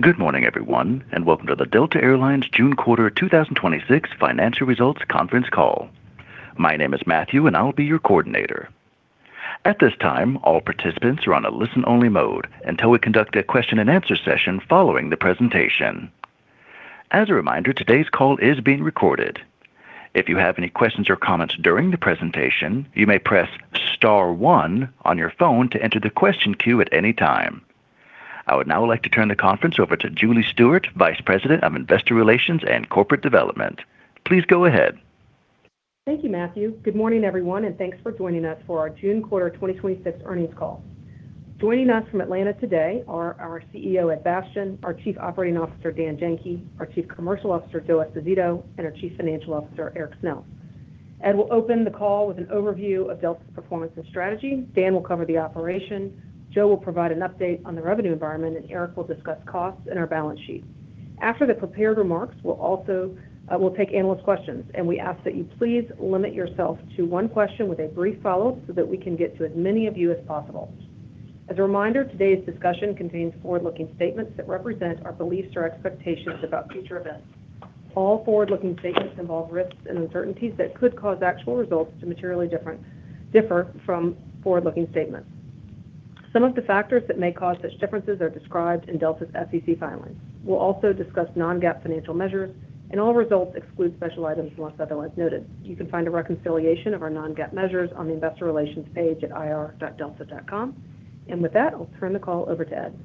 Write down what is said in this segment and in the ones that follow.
Good morning, everyone, and welcome to the Delta Air Lines June Quarter 2026 financial results conference call. My name is Matthew, and I'll be your coordinator. At this time, all participants are on a listen-only mode until we conduct a question-and-answer session following the presentation. As a reminder, today's call is being recorded. If you have any questions or comments during the presentation, you may press star one on your phone to enter the question queue at any time. I would now like to turn the conference over to Julie Stewart, Vice President of Investor Relations and Corporate Development. Please go ahead. Thank you, Matthew. Good morning, everyone, and thanks for joining us for our June Quarter 2026 earnings call. Joining us from Atlanta today are our CEO, Ed Bastian, our Chief Operating Officer, Dan Janki, our Chief Commercial Officer, Joe Esposito, and our Chief Financial Officer, Erik Snell. Ed will open the call with an overview of Delta's performance and strategy. Dan will cover the operation. Joe will provide an update on the revenue environment. Erik will discuss costs and our balance sheet. After the prepared remarks, we'll take analyst questions. We ask that you please limit yourself to one question with a brief follow-up so that we can get to as many of you as possible. As a reminder, today's discussion contains forward-looking statements that represent our beliefs or expectations about future events. All forward-looking statements involve risks and uncertainties that could cause actual results to materially differ from forward-looking statements. Some of the factors that may cause such differences are described in Delta's SEC filings. We'll also discuss non-GAAP financial measures. All results exclude special items unless otherwise noted. You can find a reconciliation of our non-GAAP measures on the investor relations page at ir.delta.com. With that, I'll turn the call over to Ed.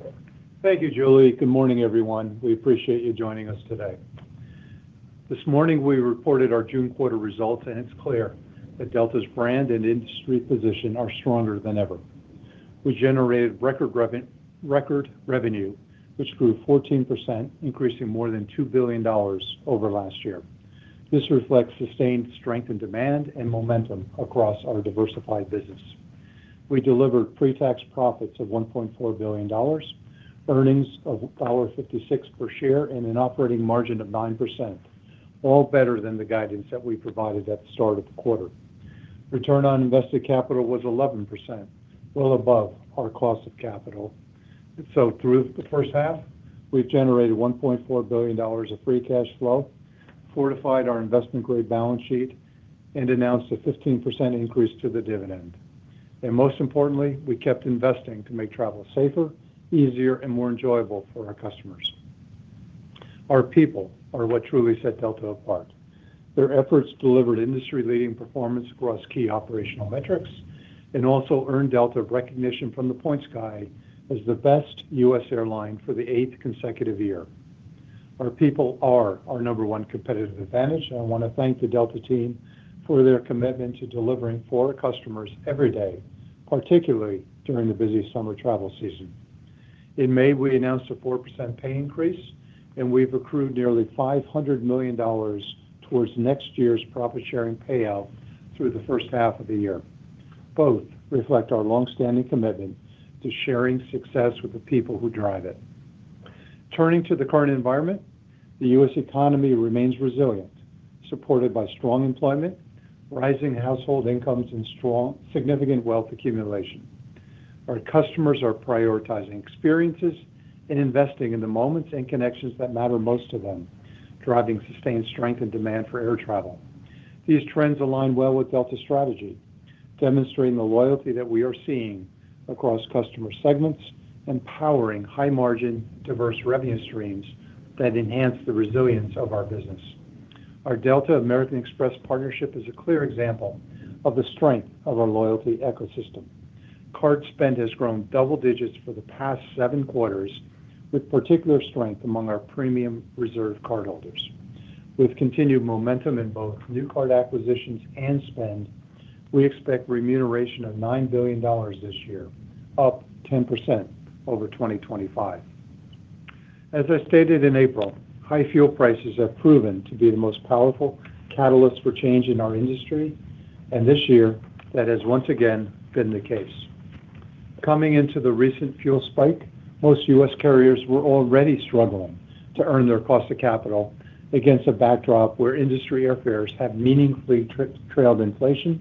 Thank you, Julie. Good morning, everyone. We appreciate you joining us today. This morning, we reported our June quarter results. It's clear that Delta's brand and industry position are stronger than ever. We generated record revenue, which grew 14%, increasing more than $2 billion over last year. This reflects sustained strength and demand and momentum across our diversified business. We delivered pre-tax profits of $1.4 billion, earnings of $1.56 per share, and an operating margin of 9%, all better than the guidance that we provided at the start of the quarter. Return on invested capital was 11%, well above our cost of capital. Through the first half, we've generated $1.4 billion of free cash flow, fortified our investment-grade balance sheet, and announced a 15% increase to the dividend. Most importantly, we kept investing to make travel safer, easier, and more enjoyable for our customers. Our people are what truly set Delta apart. Their efforts delivered industry-leading performance across key operational metrics and also earned Delta recognition from The Points Guy as the best U.S. airline for the eighth consecutive year. Our people are our number one competitive advantage, and I want to thank the Delta team for their commitment to delivering for our customers every day, particularly during the busy summer travel season. In May, we announced a 4% pay increase, and we've accrued nearly $500 million towards next year's profit-sharing payout through the first half of the year. Both reflect our longstanding commitment to sharing success with the people who drive it. Turning to the current environment, the U.S. economy remains resilient, supported by strong employment, rising household incomes, and significant wealth accumulation. Our customers are prioritizing experiences and investing in the moments and connections that matter most to them, driving sustained strength and demand for air travel. These trends align well with Delta's strategy, demonstrating the loyalty that we are seeing across customer segments and powering high-margin, diverse revenue streams that enhance the resilience of our business. Our Delta American Express partnership is a clear example of the strength of our loyalty ecosystem. Card spend has grown double digits for the past seven quarters, with particular strength among our premium reserve cardholders. With continued momentum in both new card acquisitions and spend, we expect remuneration of $9 billion this year, up 10% over 2025. As I stated in April, high fuel prices have proven to be the most powerful catalyst for change in our industry, and this year, that has once again been the case. Coming into the recent fuel spike, most U.S. carriers were already struggling to earn their cost of capital against a backdrop where industry airfares have meaningfully trailed inflation,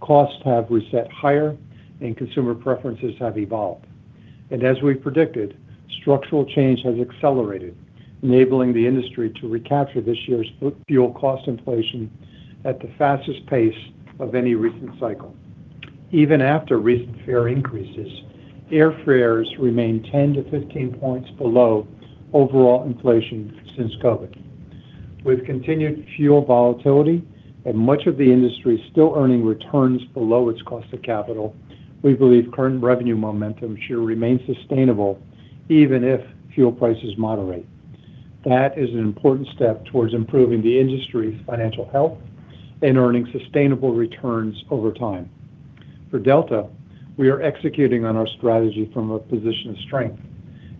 costs have reset higher, and consumer preferences have evolved. As we predicted, structural change has accelerated, enabling the industry to recapture this year's fuel cost inflation at the fastest pace of any recent cycle. Even after recent fare increases, airfares remain 10-15 points below overall inflation since COVID. With continued fuel volatility and much of the industry still earning returns below its cost of capital, we believe current revenue momentum should remain sustainable even if fuel prices moderate. That is an important step towards improving the industry's financial health and earning sustainable returns over time. For Delta, we are executing on our strategy from a position of strength.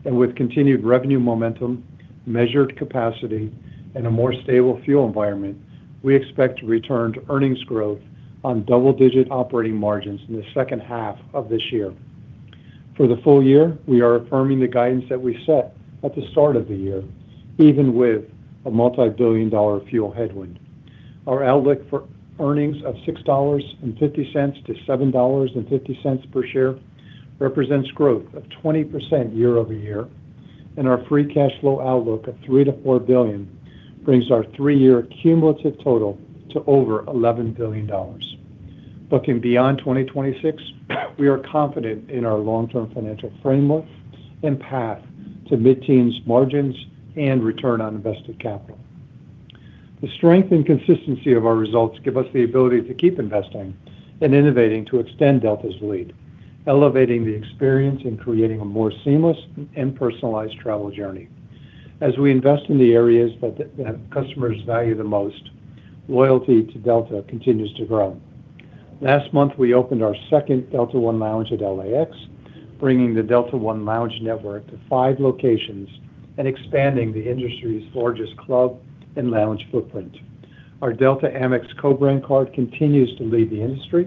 With continued revenue momentum, measured capacity, and a more stable fuel environment, we expect to return to earnings growth on double-digit operating margins in the second half of this year. For the full year, we are affirming the guidance that we set at the start of the year, even with a multibillion-dollar fuel headwind. Our outlook for earnings of $6.50-$7.50 per share represents growth of 20% year-over-year, and our free cash flow outlook of $3 billion-$4 billion brings our three-year cumulative total to over $11 billion. Looking beyond 2026, we are confident in our long-term financial framework and path to mid-teens margins and return on invested capital. The strength and consistency of our results give us the ability to keep investing and innovating to extend Delta's lead, elevating the experience in creating a more seamless and personalized travel journey. As we invest in the areas that customers value the most, loyalty to Delta continues to grow. Last month, we opened our second Delta One Lounge at L.A.X., bringing the Delta One Lounge network to five locations and expanding the industry's largest club and lounge footprint. Our Delta Amex co-brand card continues to lead the industry,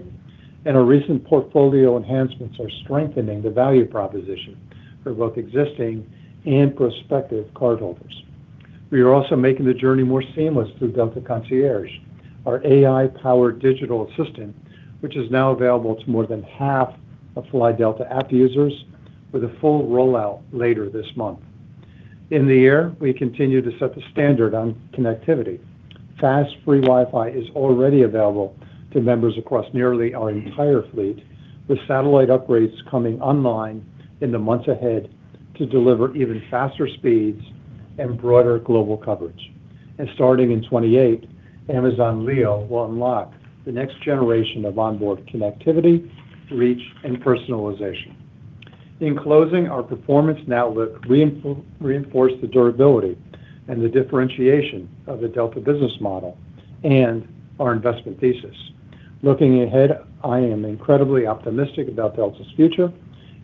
and our recent portfolio enhancements are strengthening the value proposition for both existing and prospective cardholders. We are also making the journey more seamless through Delta Concierge, our AI-powered digital assistant, which is now available to more than half of Fly Delta app users, with a full rollout later this month. In the air, we continue to set the standard on connectivity. Fast, free Wi-Fi is already available to members across nearly our entire fleet, with satellite upgrades coming online in the months ahead to deliver even faster speeds and broader global coverage. Starting in 2028, Amazon Leo will unlock the next generation of onboard connectivity, reach, and personalization. In closing, our performance and outlook reinforce the durability and the differentiation of the Delta business model and our investment thesis. Looking ahead, I am incredibly optimistic about Delta's future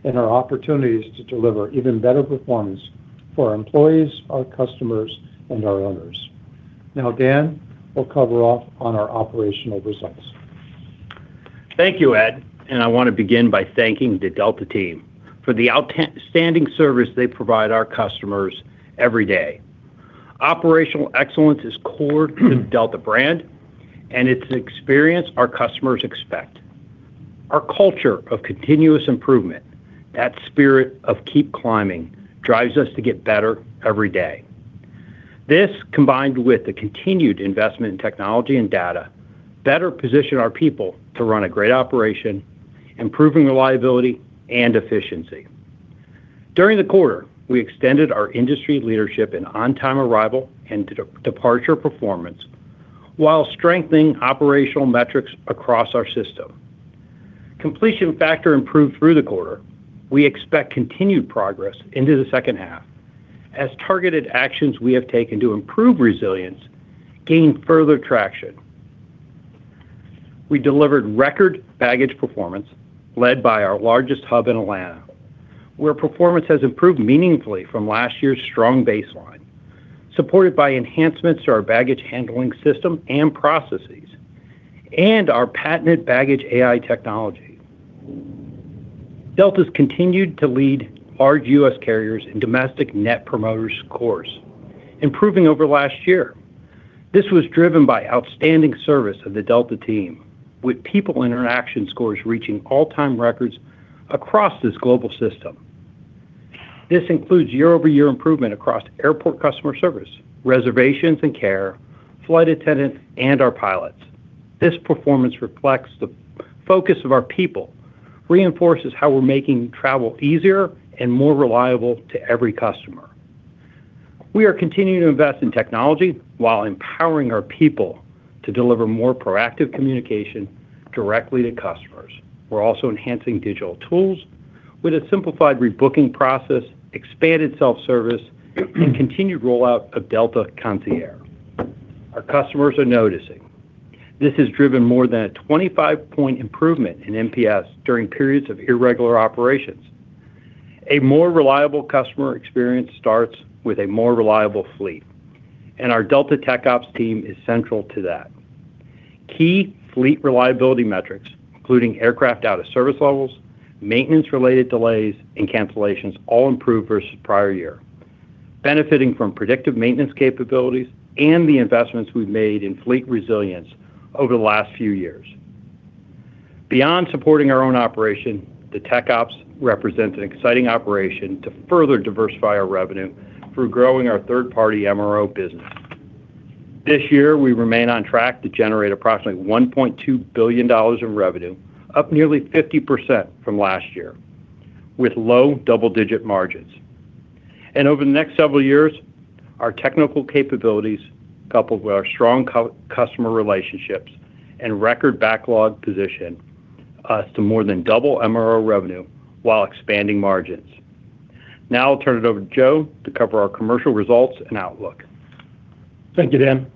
and our opportunities to deliver even better performance for our employees, our customers, and our owners. Now, Dan will cover off on our operational results. Thank you, Ed. I want to begin by thanking the Delta team for the outstanding service they provide our customers every day. Operational excellence is core to the Delta brand, and it's an experience our customers expect. Our culture of continuous improvement, that spirit of keep climbing, drives us to get better every day. This, combined with the continued investment in technology and data, better position our people to run a great operation, improving reliability and efficiency. During the quarter, we extended our industry leadership in on-time arrival and departure performance while strengthening operational metrics across our system. Completion factor improved through the quarter. We expect continued progress into the second half as targeted actions we have taken to improve resilience gain further traction. We delivered record baggage performance led by our largest hub in Atlanta, where performance has improved meaningfully from last year's strong baseline, supported by enhancements to our baggage handling system and processes and our patented baggage AI technology. Delta's continued to lead large U.S. carriers in domestic net promoter scores, improving over last year. This was driven by outstanding service of the Delta team, with people interaction scores reaching all-time records across this global system. This includes year-over-year improvement across airport customer service, reservations and care, flight attendants, and our pilots. This performance reflects the focus of our people, reinforces how we're making travel easier and more reliable to every customer. We are continuing to invest in technology while empowering our people to deliver more proactive communication directly to customers. We're also enhancing digital tools with a simplified rebooking process, expanded self-service, and continued rollout of Delta Concierge. Our customers are noticing. This has driven more than a 25-point improvement in NPS during periods of irregular operations. A more reliable customer experience starts with a more reliable fleet, and our Delta TechOps team is central to that. Key fleet reliability metrics, including aircraft out-of-service levels, maintenance-related delays, and cancellations all improved versus the prior year, benefiting from predictive maintenance capabilities and the investments we've made in fleet resilience over the last few years. Beyond supporting our own operation, the TechOps represents an exciting operation to further diversify our revenue through growing our third-party MRO business. This year, we remain on track to generate approximately $1.2 billion of revenue, up nearly 50% from last year, with low double-digit margins. Over the next several years, our technical capabilities, coupled with our strong customer relationships and record backlog position, us to more than double MRO revenue while expanding margins. I'll turn it over to Joe to cover our commercial results and outlook. Thank you, Dan.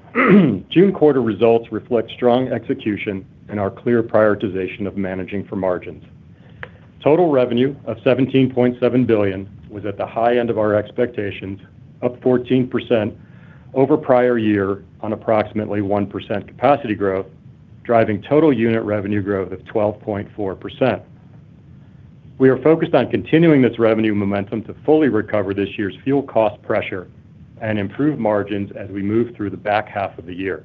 June quarter results reflect strong execution and our clear prioritization of managing for margins. Total revenue of $17.7 billion was at the high end of our expectations, up 14% over the prior year on approximately 1% capacity growth, driving total unit revenue growth of 12.4%. We are focused on continuing this revenue momentum to fully recover this year's fuel cost pressure and improve margins as we move through the back half of the year.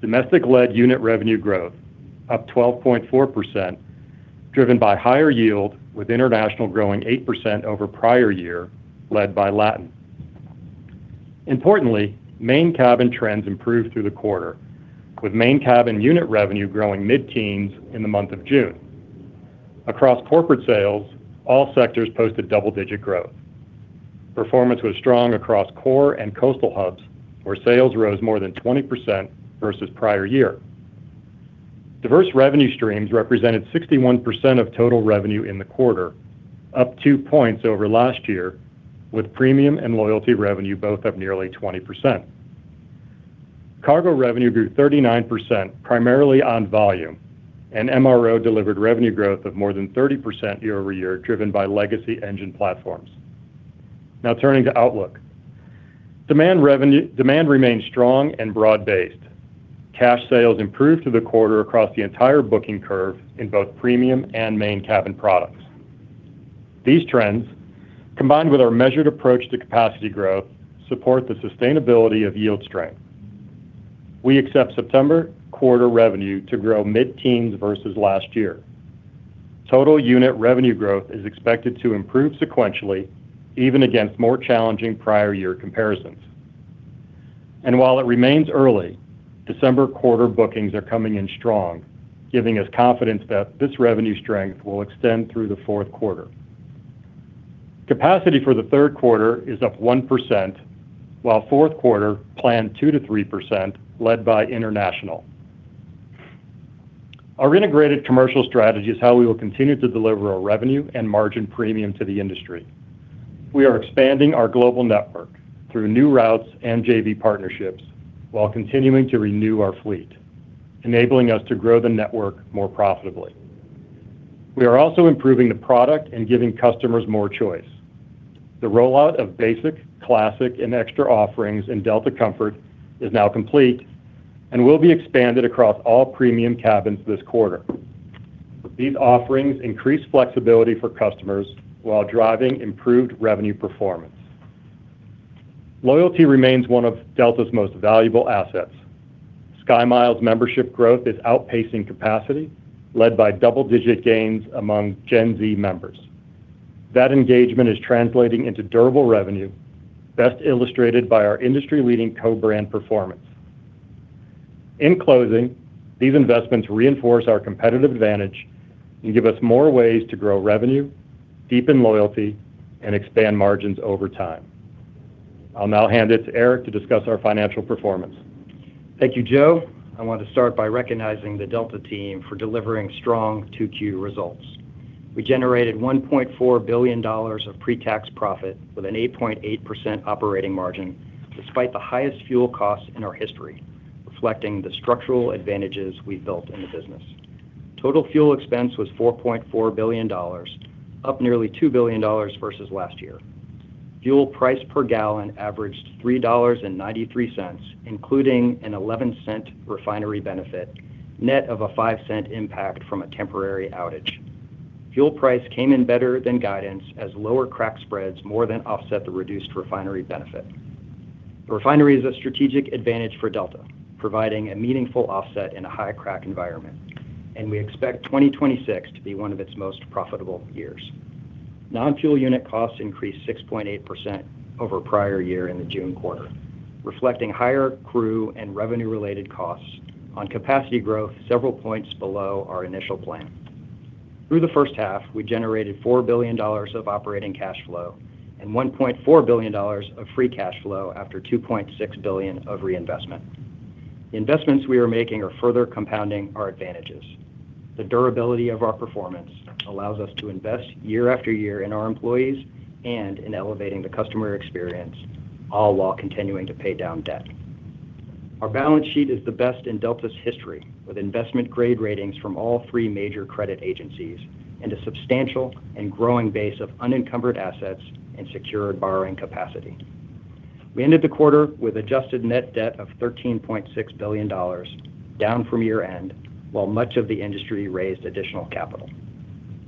Domestic-led unit revenue growth up 12.4%, driven by higher yield with international growing 8% over prior year, led by Latin. Importantly, main cabin trends improved through the quarter, with main cabin unit revenue growing mid-teens in the month of June. Across corporate sales, all sectors posted double-digit growth. Performance was strong across core and coastal hubs, where sales rose more than 20% versus prior year. Diverse revenue streams represented 61% of total revenue in the quarter, up two points over last year, with premium and loyalty revenue both up nearly 20%. Cargo revenue grew 39%, primarily on volume, and MRO delivered revenue growth of more than 30% year-over-year, driven by legacy engine platforms. Turning to outlook. Demand remains strong and broad-based. Cash sales improved through the quarter across the entire booking curve in both premium and main cabin products. These trends, combined with our measured approach to capacity growth, support the sustainability of yield strength. We accept September quarter revenue to grow mid-teens versus last year. Total unit revenue growth is expected to improve sequentially, even against more challenging prior year comparisons. While it remains early, December quarter bookings are coming in strong, giving us confidence that this revenue strength will extend through the fourth quarter. Capacity for the third quarter is up 1%, while fourth quarter planned 2%-3%, led by international. Our integrated commercial strategy is how we will continue to deliver a revenue and margin premium to the industry. We are expanding our global network through new routes and JV partnerships while continuing to renew our fleet, enabling us to grow the network more profitably. We are also improving the product and giving customers more choice. The rollout of basic, classic, and extra offerings in Delta Comfort+ is now complete and will be expanded across all premium cabins this quarter. These offerings increase flexibility for customers while driving improved revenue performance. Loyalty remains one of Delta's most valuable assets. SkyMiles membership growth is outpacing capacity, led by double-digit gains among Gen Z members. That engagement is translating into durable revenue, best illustrated by our industry-leading co-brand performance. In closing, these investments reinforce our competitive advantage and give us more ways to grow revenue, deepen loyalty, and expand margins over time. I'll now hand it to Erik to discuss our financial performance. Thank you, Joe. I want to start by recognizing the Delta team for delivering strong two quarter results. We generated $1.4 billion of pre-tax profit with an 8.8% operating margin, despite the highest fuel costs in our history, reflecting the structural advantages we've built in the business. Total fuel expense was $4.4 billion, up nearly $2 billion versus last year. Fuel price per gallon averaged $3.93, including an $0.11 refinery benefit, net of a $0.05 impact from a temporary outage. Fuel price came in better than guidance as lower crack spreads more than offset the reduced refinery benefit. The refinery is a strategic advantage for Delta, providing a meaningful offset in a high crack environment, and we expect 2026 to be one of its most profitable years. Non-fuel unit costs increased 6.8% over prior year in the June quarter, reflecting higher crew and revenue-related costs on capacity growth several points below our initial plan. Through the first half, we generated $4 billion of operating cash flow and $1.4 billion of free cash flow after $2.6 billion of reinvestment. The investments we are making are further compounding our advantages. The durability of our performance allows us to invest year-after-year in our employees and in elevating the customer experience, all while continuing to pay down debt. Our balance sheet is the best in Delta's history, with investment-grade ratings from all three major credit agencies and a substantial and growing base of unencumbered assets and secured borrowing capacity. We ended the quarter with adjusted net debt of $13.6 billion, down from year-end, while much of the industry raised additional capital.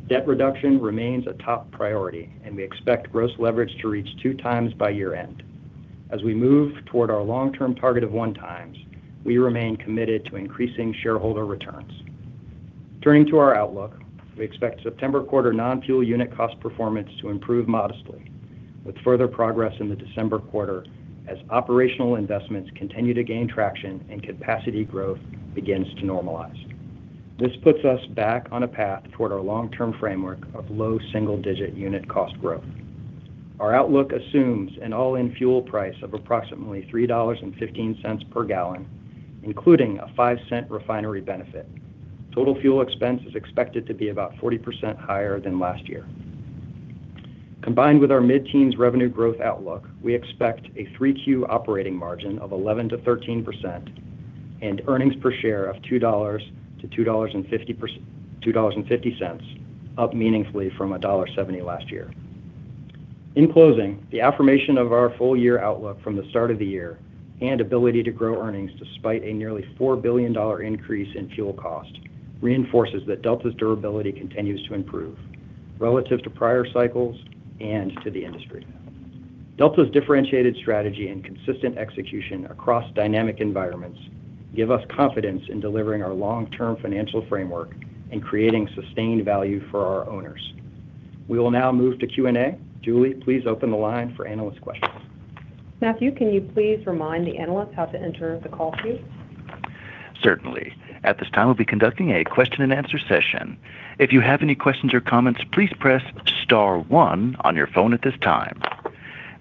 Debt reduction remains a top priority. We expect gross leverage to reach 2x by year-end. As we move toward our long-term target of 1x, we remain committed to increasing shareholder returns. Turning to our outlook, we expect September quarter non-fuel unit cost performance to improve modestly, with further progress in the December quarter as operational investments continue to gain traction and capacity growth begins to normalize. This puts us back on a path toward our long-term framework of low single-digit unit cost growth. Our outlook assumes an all-in fuel price of approximately $3.15 per gallon, including a $0.05 refinery benefit. Total fuel expense is expected to be about 40% higher than last year. Combined with our mid-teens revenue growth outlook, we expect a 3Q operating margin of 11%-13% and earnings per share of $2-$2.50, up meaningfully from $1.70 last year. In closing, the affirmation of our full-year outlook from the start of the year and ability to grow earnings despite a nearly $4 billion increase in fuel cost reinforces that Delta's durability continues to improve relative to prior cycles and to the industry. Delta's differentiated strategy and consistent execution across dynamic environments give us confidence in delivering our long-term financial framework and creating sustained value for our owners. We will now move to Q&A. Julie, please open the line for analyst questions. Matthew, can you please remind the analysts how to enter the call queue? Certainly. At this time, we'll be conducting a question and answer session. If you have any questions or comments, please press star one on your phone at this time.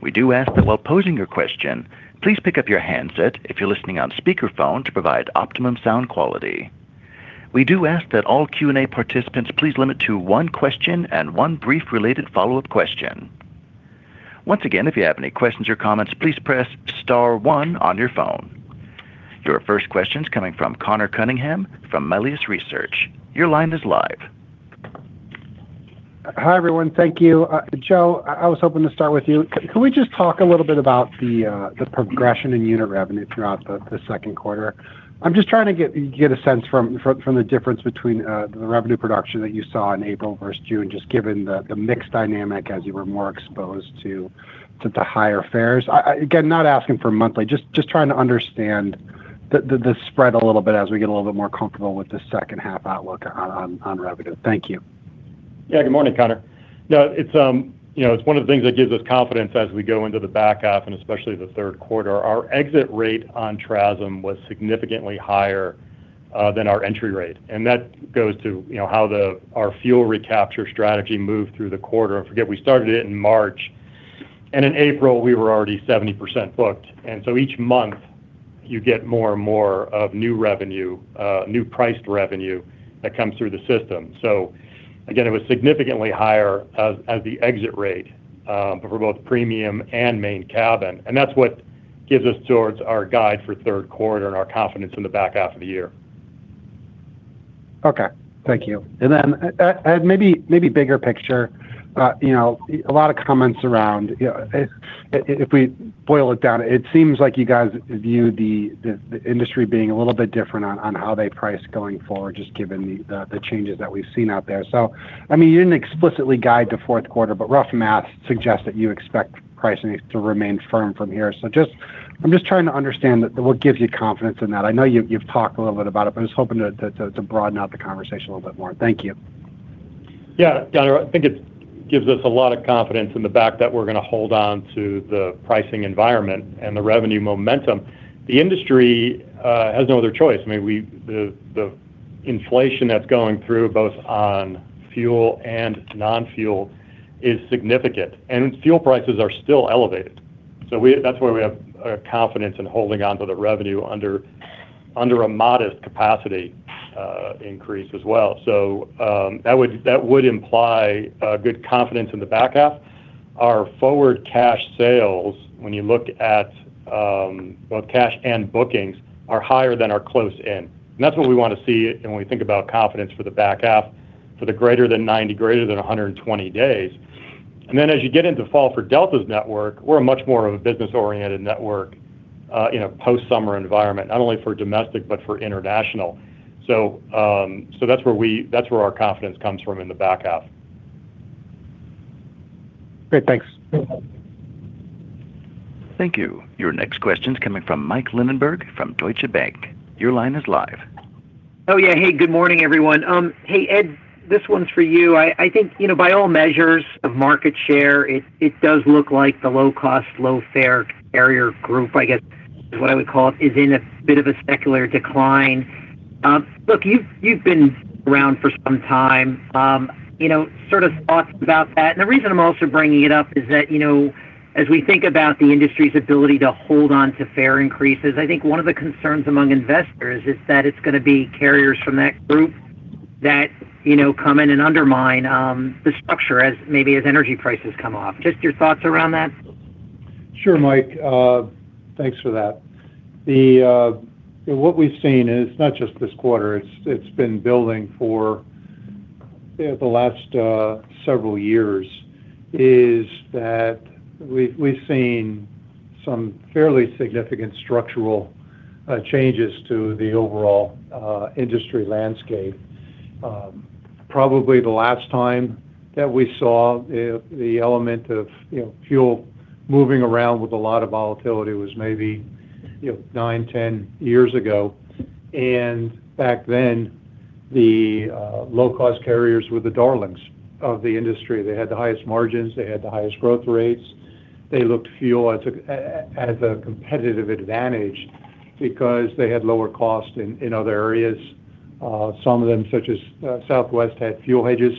We do ask that while posing your question, please pick up your handset if you're listening on speakerphone to provide optimum sound quality. We do ask that all Q&A participants please limit to one question and one brief related follow-up question. Once again, if you have any questions or comments, please press star one on your phone. Your first question's coming from Conor Cunningham from Melius Research. Your line is live. Hi, everyone. Thank you. Joe, I was hoping to start with you. Can we just talk a little bit about the progression in unit revenue throughout the second quarter? I'm just trying to get a sense from the difference between the revenue production that you saw in April versus June, just given the mix dynamic as you were more exposed to the higher fares. Again, not asking for monthly, just trying to understand the spread a little bit as we get a little bit more comfortable with the second half outlook on revenue. Thank you. Yeah. Good morning, Conor. It's one of the things that gives us confidence as we go into the back half and especially the third quarter. Our exit rate on TRASM was significantly higher than our entry rate, and that goes to how our fuel recapture strategy moved through the quarter. Don't forget, we started it in March, and in April we were already 70% booked. Each month you get more and more of new priced revenue that comes through the system. Again, it was significantly higher as the exit rate for both premium and main cabin, and that's what gives us towards our guide for third quarter and our confidence in the back half of the year. Okay. Thank you. Then, Ed, maybe bigger picture. A lot of comments around, if we boil it down, it seems like you guys view the industry being a little bit different on how they price going forward, just given the changes that we've seen out there. You didn't explicitly guide to fourth quarter, but rough math suggests that you expect pricing to remain firm from here. I'm just trying to understand what gives you confidence in that. I know you've talked a little bit about it, but I was hoping to broaden out the conversation a little bit more. Thank you. Yeah. Conor, I think it gives us a lot of confidence in the back that we're going to hold on to the pricing environment and the revenue momentum. The industry has no other choice. The inflation that's going through, both on fuel and non-fuel, is significant, and fuel prices are still elevated. That's why we have confidence in holding onto the revenue under a modest capacity increase as well. That would imply good confidence in the back half. Our forward cash sales, when you look at both cash and bookings, are higher than our close in. That's what we want to see, and when we think about confidence for the back half, for the greater than 90, greater than 120 days. As you get into fall for Delta's network, we're much more of a business-oriented network in a post-summer environment, not only for domestic but for international. That's where our confidence comes from in the back half. Great. Thanks. Thank you. Your next question's coming from Mike Linenberg from Deutsche Bank. Your line is live. Oh, yeah. Hey, good morning, everyone. Hey, Ed, this one's for you. I think, by all measures of market share, it does look like the low-cost, low-fare carrier group, I guess is what I would call it, is in a bit of a secular decline. Look, you've been around for some time. Sort of thoughts about that. The reason I'm also bringing it up is that, as we think about the industry's ability to hold onto fare increases, I think one of the concerns among investors is that it's going to be carriers from that group that come in and undermine the structure as maybe as energy prices come off. Just your thoughts around that. Sure, Mike. Thanks for that. What we've seen is not just this quarter, it's been building for the last several years, is that we've seen some fairly significant structural changes to the overall industry landscape. Probably the last time that we saw the element of fuel moving around with a lot of volatility was maybe nine, 10 years ago. Back then, the low-cost carriers were the darlings of the industry. They had the highest margins. They had the highest growth rates. They looked fuel as a competitive advantage because they had lower costs in other areas. Some of them, such as Southwest, had fuel hedges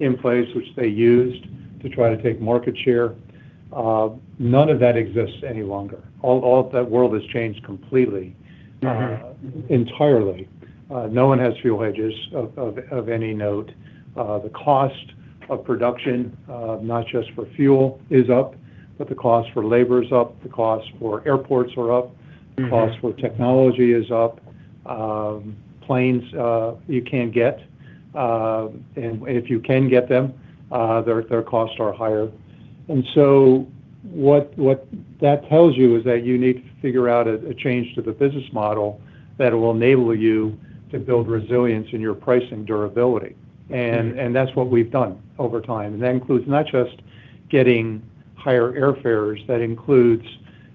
in place, which they used to try to take market share. None of that exists any longer. All of that world has changed completely. Entirely. No one has fuel hedges of any note. The cost of production, not just for fuel, is up. The cost for labor is up, the cost for airports are up. The cost for technology is up. Planes, you can't get, and if you can get them, their costs are higher. What that tells you is that you need to figure out a change to the business model that will enable you to build resilience in your pricing durability. That's what we've done over time. That includes not just getting higher airfares. That includes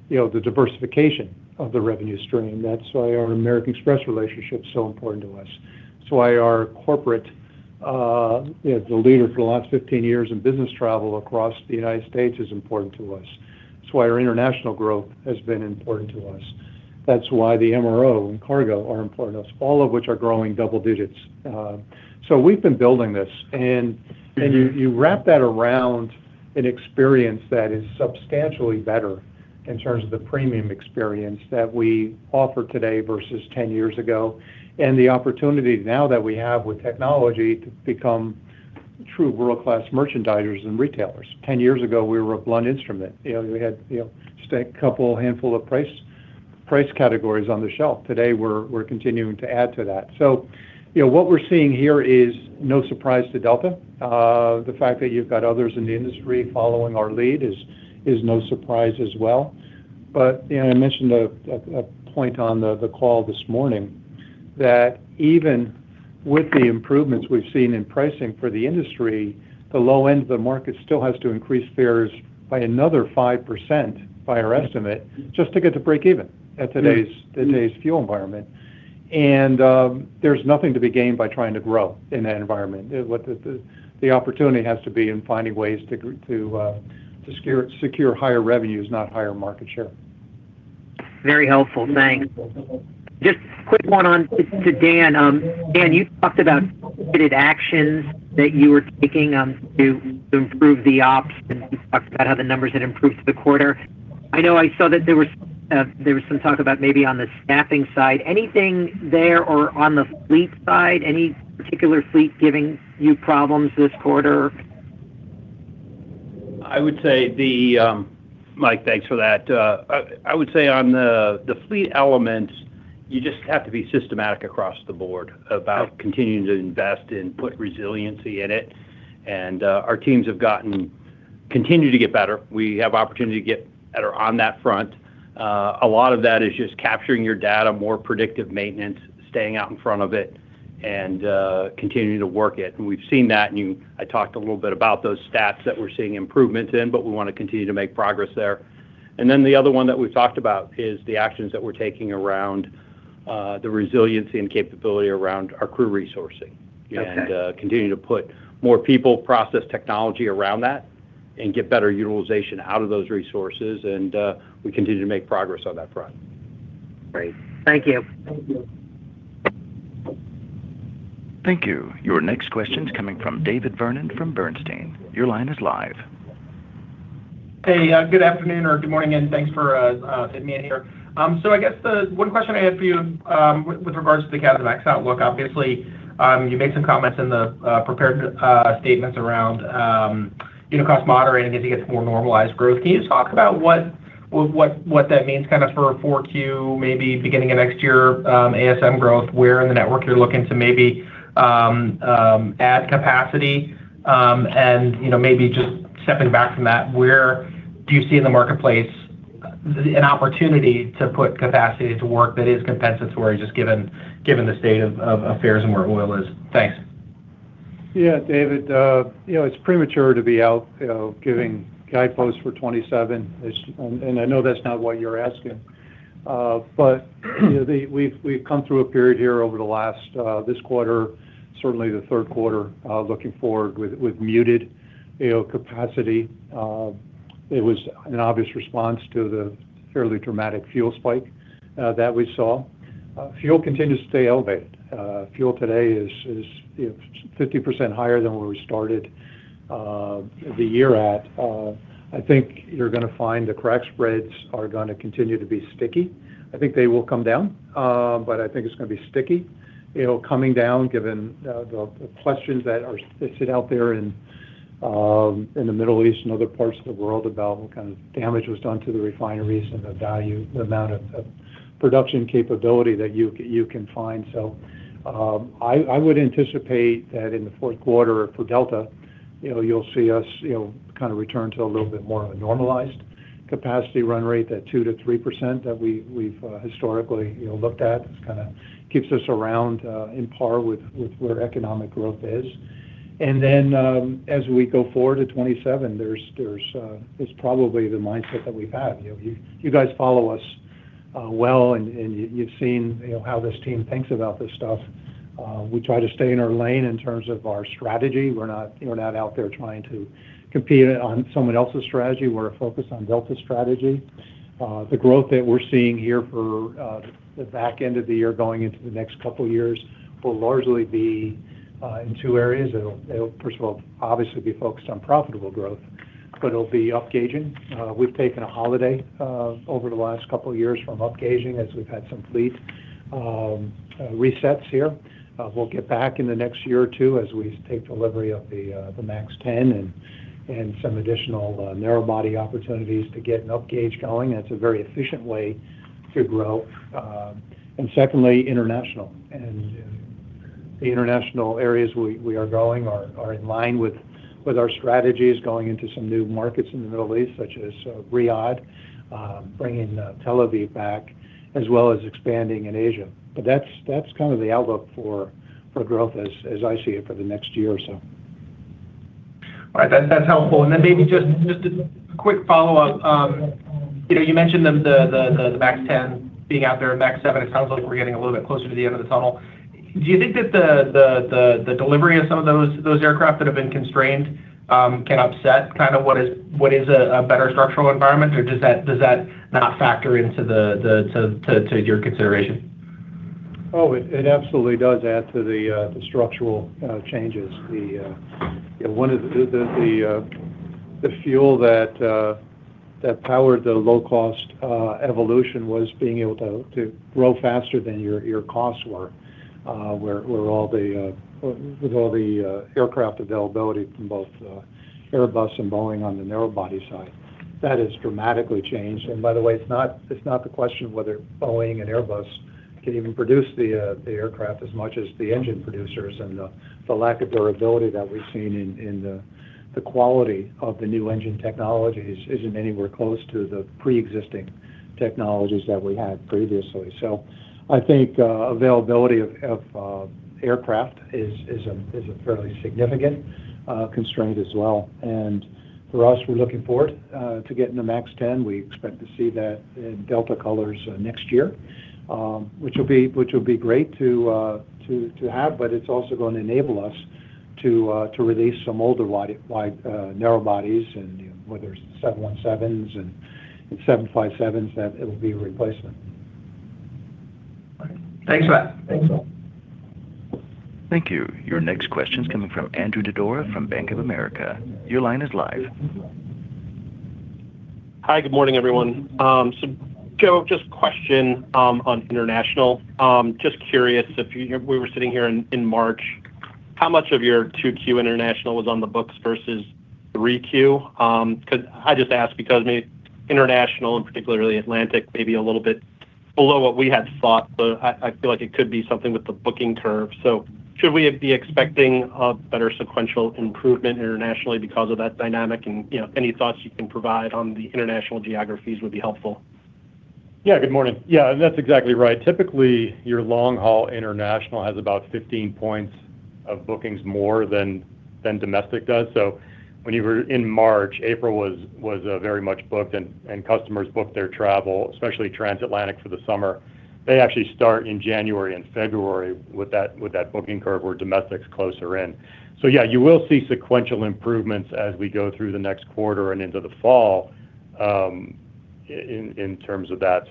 the diversification of the revenue stream. That's why our American Express relationship is so important to us. It's why our corporate, the leader for the last 15 years in business travel across the United States, is important to us. It's why our international growth has been important to us. That's why the MRO and cargo are important to us, all of which are growing double digits. We've been building this, and you wrap that around an experience that is substantially better in terms of the premium experience that we offer today versus 10 years ago, and the opportunity now that we have with technology to become true world-class merchandisers and retailers. 10 years ago, we were a blunt instrument. We had just a handful of price categories on the shelf. Today, we're continuing to add to that. What we're seeing here is no surprise to Delta. The fact that you've got others in the industry following our lead is no surprise as well. I mentioned a point on the call this morning that even with the improvements we've seen in pricing for the industry, the low end of the market still has to increase fares by another 5%, by our estimate, just to get to breakeven at today's fuel environment. There's nothing to be gained by trying to grow in that environment. The opportunity has to be in finding ways to secure higher revenues, not higher market share. Very helpful. Thanks. Just quick one on to Dan. Dan, you talked about weighted actions that you were taking to improve the ops, and you talked about how the numbers had improved for the quarter. I know I saw that there was some talk about maybe on the staffing side. Anything there or on the fleet side, any particular fleet giving you problems this quarter? Mike, thanks for that. I would say on the fleet element, you just have to be systematic across the board about continuing to invest and put resiliency in it. Our teams have continued to get better. We have opportunity to get better on that front. A lot of that is just capturing your data, more predictive maintenance, staying out in front of it, and continuing to work it. We've seen that, and I talked a little bit about those stats that we're seeing improvements in, but we want to continue to make progress there. Then the other one that we've talked about is the actions that we're taking around the resiliency and capability around our crew resourcing. Okay. Continue to put more people, process technology around that, and get better utilization out of those resources, and we continue to make progress on that front. Great. Thank you. Thank you. Thank you. Your next question's coming from David Vernon from Bernstein. Your line is live. Hey. Good afternoon or good morning. Thanks for fitting me in here. I guess the one question I had for you with regards to the CapEx outlook, obviously, you made some comments in the prepared statements around unit cost moderating as it gets more normalized growth. Can you talk about what that means for 4Q, maybe beginning of next year, ASM growth, where in the network you're looking to maybe add capacity? Maybe just stepping back from that, where do you see in the marketplace an opportunity to put capacity to work that is compensatory just given the state of affairs and where oil is? Thanks. Yeah, David. It's premature to be out giving guideposts for 2027, I know that's not what you're asking. We've come through a period here over this quarter, certainly the third quarter, looking forward with muted capacity. It was an obvious response to the fairly dramatic fuel spike that we saw. Fuel continues to stay elevated. Fuel today is 50% higher than where we started the year at. I think you're going to find the crack spreads are going to continue to be sticky. I think they will come down, but I think it's going to be sticky coming down given the questions that sit out there in the Middle East and other parts of the world about what kind of damage was done to the refineries and the amount of production capability that you can find. I would anticipate that in the fourth quarter for Delta, you'll see us return to a little bit more of a normalized capacity run rate, that 2%-3% that we've historically looked at. It kind of keeps us around in par with where economic growth is. As we go forward to 2027, it's probably the mindset that we've had. You guys follow us well, and you've seen how this team thinks about this stuff. We try to stay in our lane in terms of our strategy. We're not out there trying to compete on someone else's strategy. We're focused on Delta's strategy. The growth that we're seeing here for the back end of the year going into the next couple of years will largely be in two areas. It'll, first of all, obviously be focused on profitable growth. It'll be upgauging. We've taken a holiday over the last couple of years from upgauging as we've had some fleet resets here. We'll get back in the next year or two as we take delivery of the MAX 10 and some additional narrow body opportunities to get an upgauge going. That's a very efficient way to grow. Secondly, international. The international areas we are growing are in line with our strategies, going into some new markets in the Middle East, such as Riyadh, bringing Tel Aviv back, as well as expanding in Asia. That's the outlook for growth as I see it for the next year or so. All right. That's helpful. Maybe just a quick follow-up. You mentioned the MAX 10 being out there, MAX 7. It sounds like we're getting a little bit closer to the end of the tunnel. Do you think that the delivery of some of those aircraft that have been constrained can upset what is a better structural environment, or does that not factor into your consideration? Oh, it absolutely does add to the structural changes. The fuel that powered the low-cost evolution was being able to grow faster than your costs were, with all the aircraft availability from both Airbus and Boeing on the narrow body side. That has dramatically changed. By the way, it's not the question of whether Boeing and Airbus can even produce the aircraft as much as the engine producers, and the lack of durability that we've seen in the quality of the new engine technologies isn't anywhere close to the pre-existing technologies that we had previously. I think availability of aircraft is a fairly significant constraint as well. For us, we're looking forward to getting the MAX 10. We expect to see that in Delta colors next year, which will be great to have. It's also going to enable us to release some older wide-body narrow bodies, whether it's 717s and 757s, that it will be a replacement. Thanks for that. Thanks. Thank you. Your next question is coming from Andrew Didora from Bank of America. Your line is live. Hi, good morning, everyone. Joe, just a question on international. Just curious, if we were sitting here in March, how much of your 2Q international was on the books versus 3Q? I just ask because international, and particularly Atlantic, may be a little bit below what we had thought, but I feel like it could be something with the booking curve. Should we be expecting a better sequential improvement internationally because of that dynamic? Any thoughts you can provide on the international geographies would be helpful. Good morning. That's exactly right. Typically, your long-haul international has about 15 points of bookings more than domestic does. When you were in March, April was very much booked, and customers book their travel, especially Transatlantic for the summer. They actually start in January and February with that booking curve where domestic's closer in. You will see sequential improvements as we go through the next quarter and into the fall in terms of that.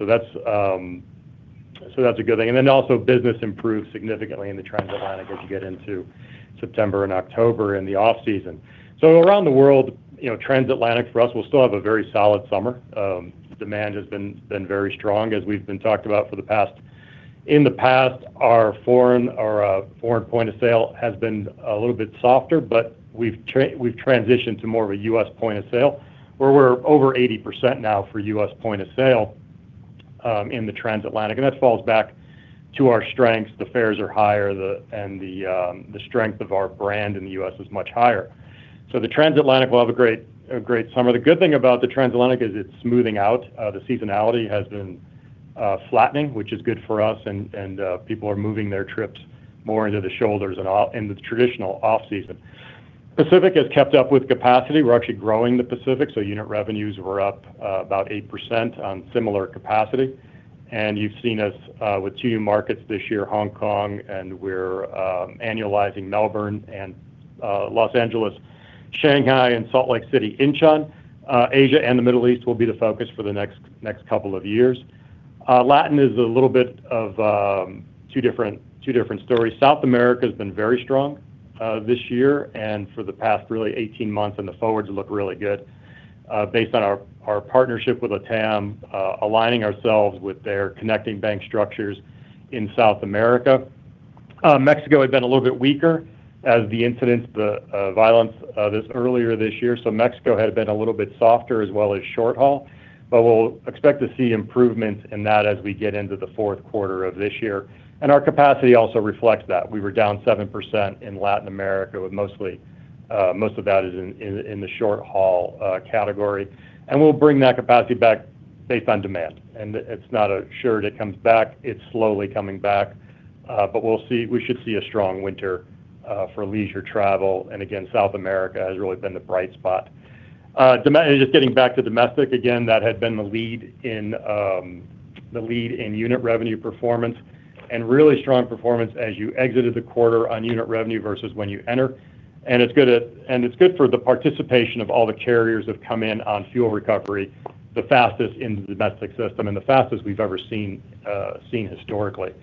That's a good thing. Then also business improves significantly in the Transatlantic as you get into September and October in the off-season. Around the world, Transatlantic for us will still have a very solid summer. Demand has been very strong as we've been talking about for the past. In the past, our foreign point of sale has been a little bit softer, but we've transitioned to more of a U.S. point of sale where we're over 80% now for U.S. point of sale in the Transatlantic, and that falls back to our strengths. The fares are higher and the strength of our brand in the U.S. is much higher. The Transatlantic will have a great summer. The good thing about the Transatlantic is it's smoothing out. The seasonality has been flattening, which is good for us, and people are moving their trips more into the shoulders and the traditional off-season. Pacific has kept up with capacity. We're actually growing the Pacific, unit revenues were up about 8% on similar capacity. You've seen us with two new markets this year, Hong Kong, and we're annualizing Melbourne and Los Angeles, Shanghai and Salt Lake City, Incheon. Asia and the Middle East will be the focus for the next couple of years. Latin is a little bit of two different stories. South America has been very strong this year and for the past really 18 months, the forwards look really good based on our partnership with LATAM, aligning ourselves with their connecting bank structures in South America. Mexico had been a little bit weaker as the incidents, the violence this earlier this year. Mexico had been a little bit softer as well as short-haul, but we'll expect to see improvements in that as we get into the fourth quarter of this year. Our capacity also reflects that. We were down 7% in Latin America, with most of that is in the short-haul category. We'll bring that capacity back based on demand. It's not a sure it comes back. It's slowly coming back. We should see a strong winter for leisure travel. Again, South America has really been the bright spot. Just getting back to domestic, again, that had been the lead in unit revenue performance and really strong performance as you exited the quarter on unit revenue versus when you enter. It's good for the participation of all the carriers that have come in on fuel recovery, the fastest in the domestic system and the fastest we've ever seen historically.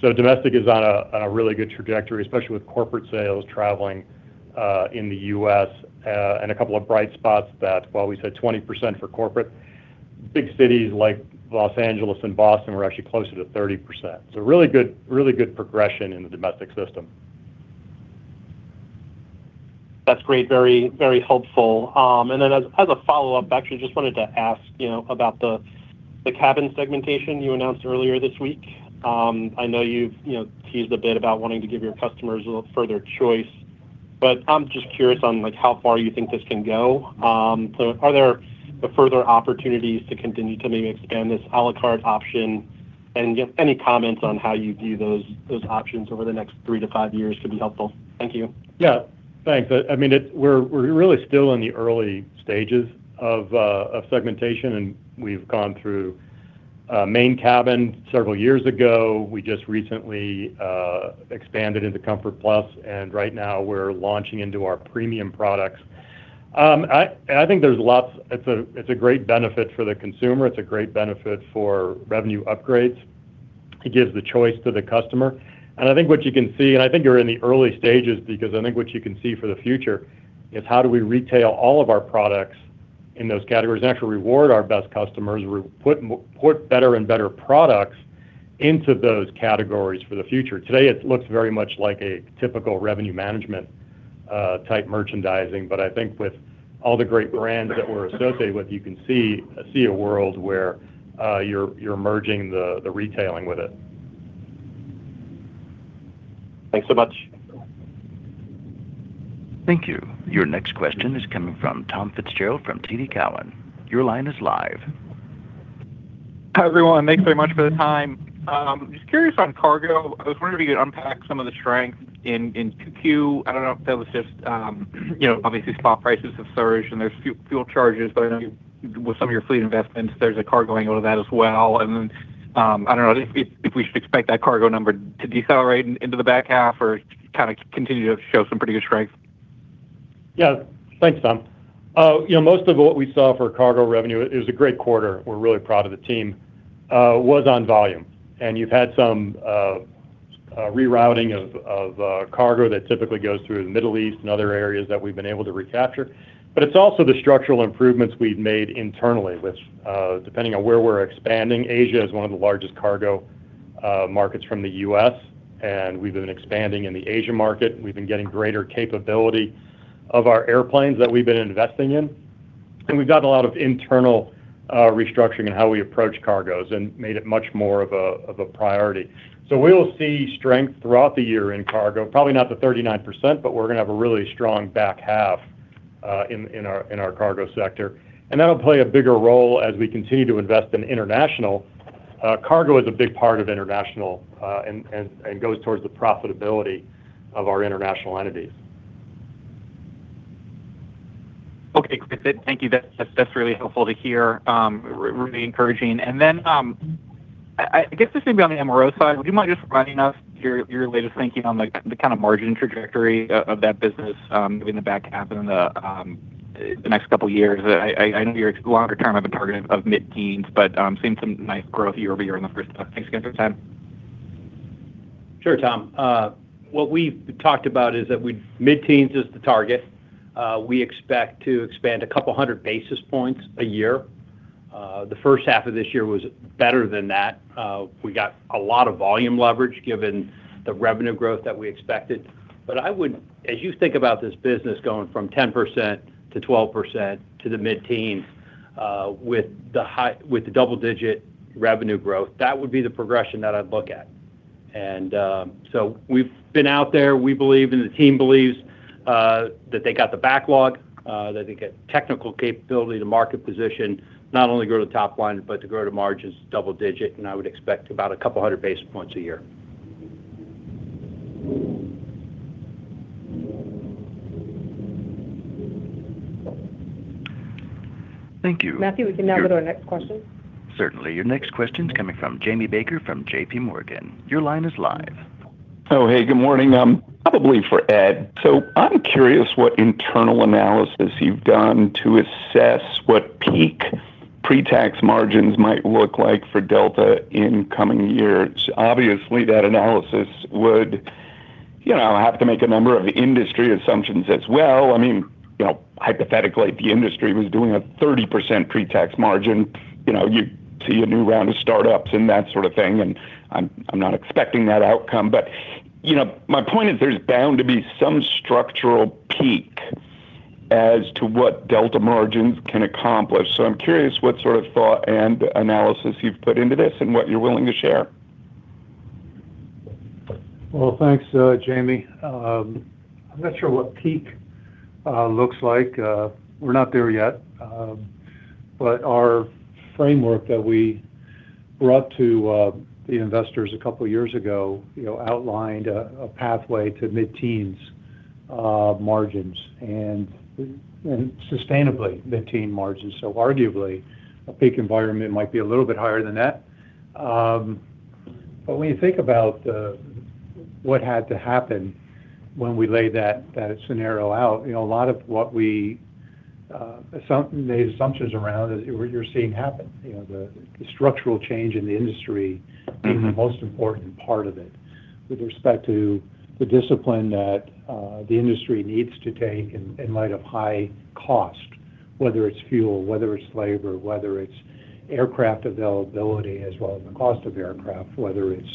Domestic is on a really good trajectory, especially with corporate sales traveling in the U.S. and a couple of bright spots that while we said 20% for corporate. Big cities like Los Angeles and Boston were actually closer to 30%. Really good progression in the domestic system. That's great. Very helpful. As a follow-up, actually, just wanted to ask about the cabin segmentation you announced earlier this week. I know you've teased a bit about wanting to give your customers a little further choice, but I'm just curious on how far you think this can go. Are there further opportunities to continue to maybe expand this à la carte option? Just any comments on how you view those options over the next three to five years could be helpful. Thank you. Thanks. We're really still in the early stages of segmentation. We've gone through Main Cabin several years ago. We just recently expanded into Delta Comfort+, and right now we're launching into our premium products. I think it's a great benefit for the consumer. It's a great benefit for revenue upgrades. It gives the choice to the customer. I think we're in the early stages because I think what you can see for the future is how do we retail all of our products in those categories and actually reward our best customers, put better and better products into those categories for the future. Today, it looks very much like a typical revenue management-type merchandising. I think with all the great brands that we're associated with, you can see a world where you're merging the retailing with it. Thanks so much. Thank you. Your next question is coming from Tom Fitzgerald from TD Cowen. Your line is live. Hi, everyone. Thanks very much for the time. Just curious on cargo. I was wondering if you could unpack some of the strength in 2Q. I don't know if that was just, obviously spot prices have surged and there's fuel charges, but with some of your fleet investments, there's a cargo angle to that as well. I don't know if we should expect that cargo number to decelerate into the back half or kind of continue to show some pretty good strength. Yeah. Thanks, Tom. Most of what we saw for cargo revenue, it was a great quarter, we're really proud of the team, was on volume. You've had some rerouting of cargo that typically goes through the Middle East and other areas that we've been able to recapture. It's also the structural improvements we've made internally with, depending on where we're expanding. Asia is one of the largest cargo markets from the U.S., we've been expanding in the Asia market. We've been getting greater capability of our airplanes that we've been investing in. We've done a lot of internal restructuring in how we approach cargos and made it much more of a priority. We'll see strength throughout the year in cargo, probably not the 39%, but we're going to have a really strong back half in our cargo sector. That'll play a bigger role as we continue to invest in international. Cargo is a big part of international, goes towards the profitability of our international entities. Okay, great. Thank you. That's really helpful to hear. Really encouraging. I guess this may be on the MRO side, would you mind just reminding us your latest thinking on the kind of margin trajectory of that business in the back half and in the next couple of years? I know your longer term of a target of mid-teens, but seeing some nice growth year-over-year in the first half. Thanks again for the time. Sure, Tom. What we've talked about is that mid-teens is the target. We expect to expand a couple of hundred basis points a year. The first half of this year was better than that. We got a lot of volume leverage given the revenue growth that we expected. As you think about this business going from 10%-12% to the mid-teens, with the double-digit revenue growth, that would be the progression that I'd look at. We've been out there. We believe, and the team believes, that they got the backlog, they got technical capability to market position, not only grow the top line, but to grow to margins double digit, and I would expect about a couple of hundred basis points a year. Thank you. Matthew, we can now go to our next question. Certainly. Your next question's coming from Jamie Baker from JPMorgan. Your line is live. Oh, hey, good morning. Probably for Ed. I'm curious what internal analysis you've done to assess what peak pre-tax margins might look like for Delta in coming years. Obviously, that analysis would have to make a number of industry assumptions as well. Hypothetically, if the industry was doing a 30% pre-tax margin, you'd see a new round of startups and that sort of thing, and I'm not expecting that outcome. My point is there's bound to be some structural peak as to what Delta margins can accomplish. I'm curious what sort of thought and analysis you've put into this and what you're willing to share. Well, thanks, Jamie. I'm not sure what peak looks like. We're not there yet. Our framework that we brought to the investors a couple of years ago outlined a pathway to mid-teens margins, and sustainably mid-teen margins. Arguably, a peak environment might be a little bit higher than that. When you think about what had to happen when we laid that scenario out, a lot of what we made assumptions around is what you're seeing happen. The structural change in the industry being the most important part of it. With respect to the discipline that the industry needs to take in light of high cost, whether it's fuel, whether it's labor, whether it's aircraft availability as well as the cost of aircraft, whether it's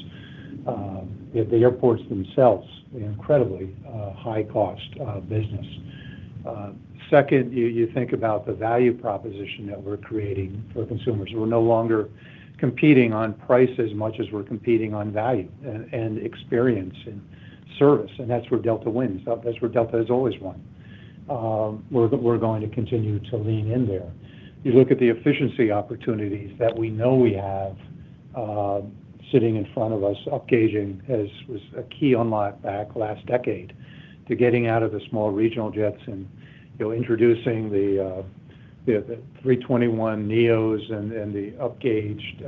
the airports themselves, an incredibly high-cost business. Second, you think about the value proposition that we're creating for consumers. We're no longer competing on price as much as we're competing on value and experience and service. That's where Delta wins. That's where Delta has always won. We're going to continue to lean in there. You look at the efficiency opportunities that we know we have sitting in front of us, upgauging was a key unlock back last decade to getting out of the small regional jets and introducing the A321neo and the upgauged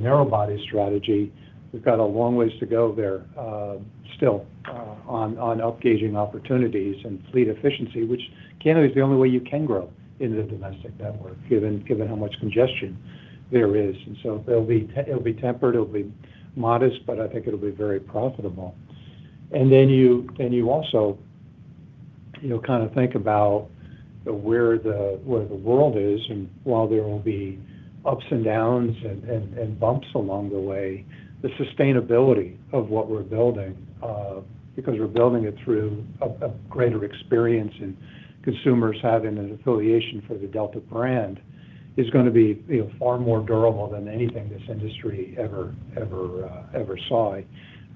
narrow body strategy. We've got a long ways to go there still on upgauging opportunities and fleet efficiency, which kind of is the only way you can grow in the domestic network, given how much congestion there is. It'll be tempered, it'll be modest, but I think it'll be very profitable. You also think about where the world is, and while there will be ups and downs and bumps along the way, the sustainability of what we're building because we're building it through a greater experience in consumers having an affiliation for the Delta brand, is going to be far more durable than anything this industry ever saw.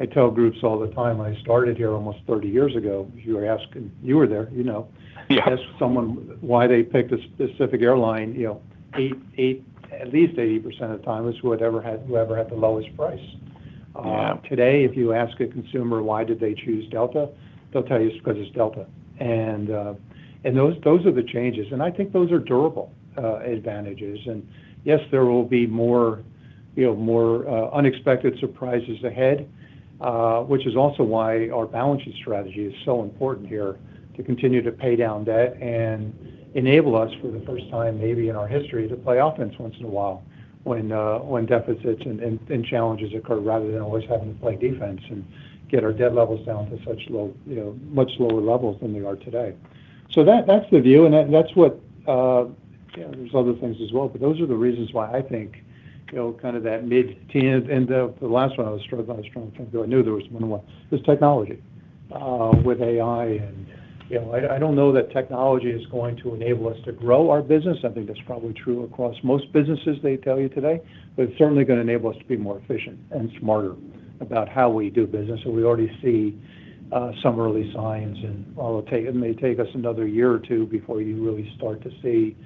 I tell groups all the time, I started here almost 30 years ago. Yeah. You'd ask someone why they picked a specific airline, at least 80% of the time it was whoever had the lowest price. Yeah. Today, if you ask a consumer why did they choose Delta, they'll tell you it's because it's Delta. Those are the changes, and I think those are durable advantages. Yes, there will be more unexpected surprises ahead, which is also why our balancing strategy is so important here to continue to pay down debt and enable us, for the first time maybe in our history, to play offense once in a while when deficits and challenges occur, rather than always having to play defense and get our debt levels down to much lower levels than they are today. That's the view, and there's other things as well, but those are the reasons why I think that mid-teen. The last one, I knew there was one more, is technology with AI. I don't know that technology is going to enable us to grow our business. I think that's probably true across most businesses they tell you today, but it's certainly going to enable us to be more efficient and smarter about how we do business. We already see some early signs, and while it may take us another year or two before you really start to see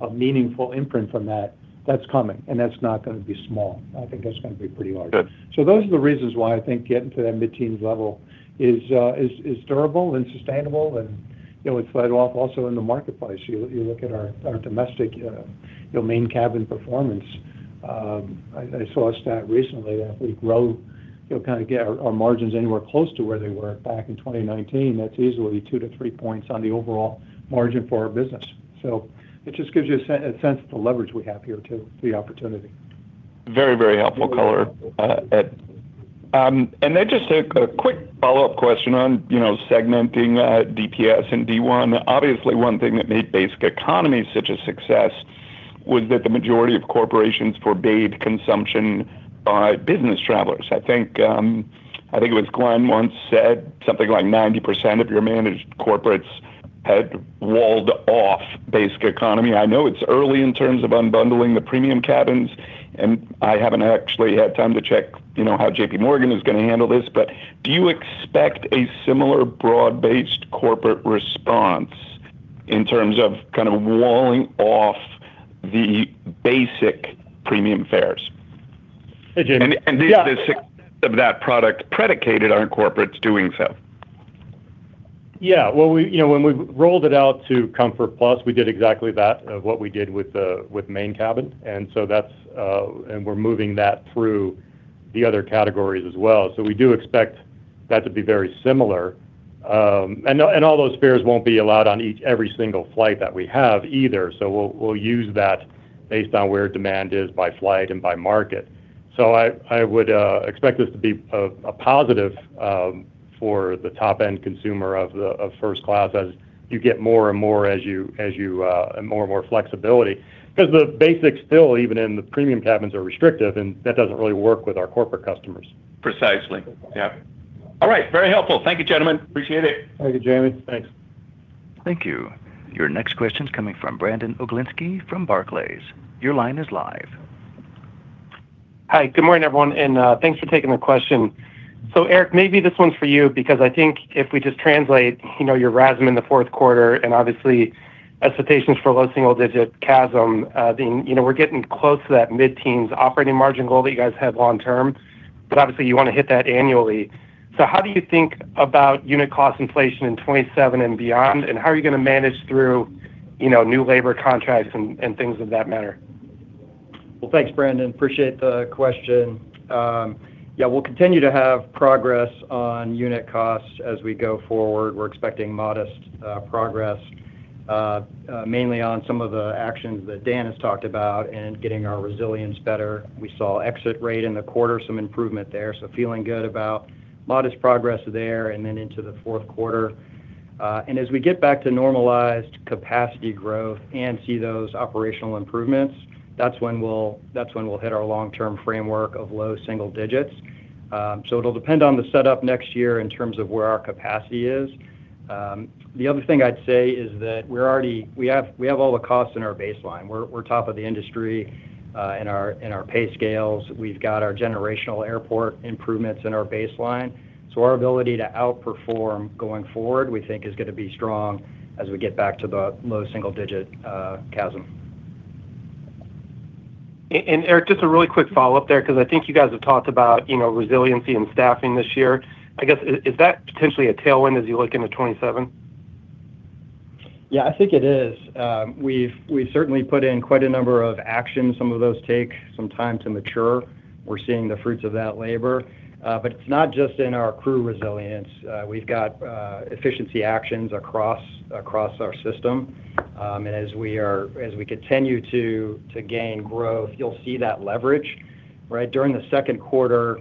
a meaningful imprint from that's coming, and that's not going to be small. I think that's going to be pretty large. Good. Those are the reasons why I think getting to that mid-teens level is durable and sustainable, and it is paid off also in the marketplace. You look at our domestic Main Cabin performance. I saw a stat recently that if we grow, kind of get our margins anywhere close to where they were back in 2019, that is easily 2-3 points on the overall margin for our business. It just gives you a sense of the leverage we have here too, the opportunity. Very helpful color. Then just a quick follow-up question on segmenting DPS and D1. Obviously, one thing that made Basic Economy such a success was that the majority of corporations forbade consumption by business travelers. I think it was Glen once said something like 90% of your managed corporates had walled off Basic Economy. I know it is early in terms of unbundling the Premium Cabins, and I have not actually had time to check how J.PMorgan is going to handle this, but do you expect a similar broad-based corporate response in terms of walling off the Basic Premium Fares? Hey, Jamie. Yeah. Is the success of that product predicated on corporates doing so? When we rolled it out to Delta Comfort+, we did exactly that of what we did with Main Cabin, and we're moving that through the other categories as well. We do expect that to be very similar. All those fares won't be allowed on every single flight that we have either. We'll use that based on where demand is by flight and by market. I would expect this to be a positive for the top-end consumer of first class as you get more and more flexibility, because the basic still, even in the premium cabins, are restrictive, and that doesn't really work with our corporate customers. Precisely. Yep. All right. Very helpful. Thank you, gentlemen. Appreciate it. Thank you, Jamie. Thanks. Thank you. Your next question's coming from Brandon Oglenski from Barclays. Your line is live. Hi, good morning, everyone, and thanks for taking the question. Erik, maybe this one's for you because I think if we just translate your RASM in the fourth quarter, and obviously expectations for low single-digit CASM, we're getting close to that mid-teens operating margin goal that you guys had long term, but obviously you want to hit that annually. How do you think about unit cost inflation in 2027 and beyond, and how are you going to manage through new labor contracts and things of that matter? Well, thanks, Brandon. Appreciate the question. Yeah, we'll continue to have progress on unit costs as we go forward. We're expecting modest progress Mainly on some of the actions that Dan has talked about in getting our resilience better. We saw exit rate in the quarter, some improvement there, so feeling good about modest progress there and then into the fourth quarter. As we get back to normalized capacity growth and see those operational improvements, that's when we'll hit our long-term framework of low single digits. It'll depend on the setup next year in terms of where our capacity is. The other thing I'd say is that we have all the costs in our baseline. We're top of the industry in our pay scales. We've got our generational airport improvements in our baseline. Our ability to outperform going forward, we think, is going to be strong as we get back to the low single-digit CASM. Erik, just a really quick follow-up there because I think you guys have talked about resiliency and staffing this year. I guess, is that potentially a tailwind as you look into 2027? Yeah, I think it is. We've certainly put in quite a number of actions. Some of those take some time to mature. We're seeing the fruits of that labor. It's not just in our crew resilience. We've got efficiency actions across our system. As we continue to gain growth, you'll see that leverage, right? During the second quarter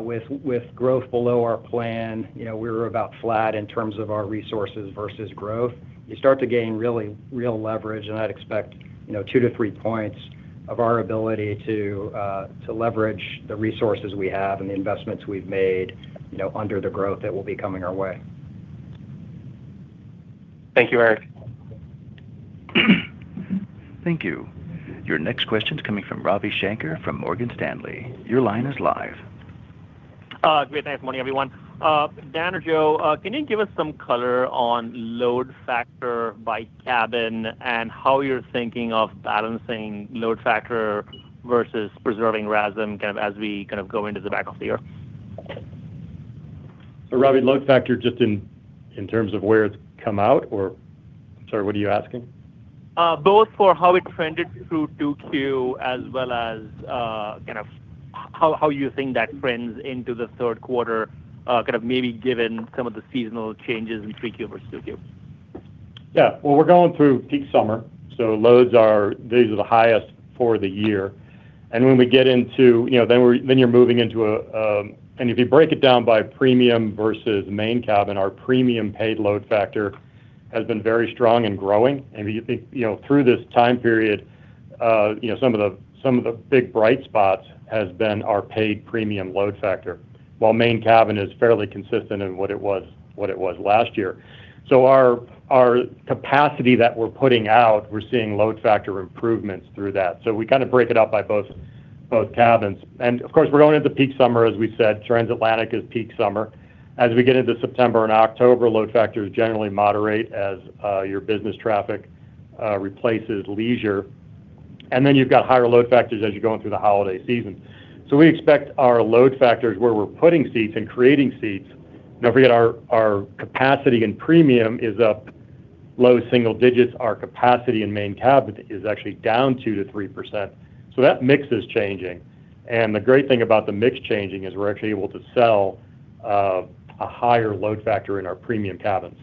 with growth below our plan, we were about flat in terms of our resources versus growth. You start to gain real leverage, and I'd expect two to three points of our ability to leverage the resources we have and the investments we've made under the growth that will be coming our way. Thank you, Erik. Thank you. Your next question's coming from Ravi Shanker from Morgan Stanley. Your line is live. Great. Thanks, morning everyone. Dan or Joe, can you give us some color on load factor by cabin and how you're thinking of balancing load factor versus preserving RASM as we go into the back half of the year? Ravi, load factor just in terms of where it's come out, or sorry, what are you asking? Both for how it trended through Q2 as well as how you think that trends into the third quarter, maybe given some of the seasonal changes in Q3 versus Q2. Yeah. Well, we're going through peak summer. These are the highest for the year. If you break it down by premium versus main cabin, our premium paid load factor has been very strong and growing. Through this time period, some of the big bright spots has been our paid premium load factor, while main cabin is fairly consistent in what it was last year. Our capacity that we're putting out, we're seeing load factor improvements through that. We break it up by both cabins. Of course, we're going into peak summer, as we said, Transatlantic is peak summer. As we get into September and October, load factors generally moderate as your business traffic replaces leisure. Then you've got higher load factors as you're going through the holiday season. We expect our load factors where we're putting seats and creating seats. Don't forget our capacity and premium is up low single digits. Our capacity in main cabin is actually down 2%-3%. That mix is changing. The great thing about the mix changing is we're actually able to sell a higher load factor in our premium cabins.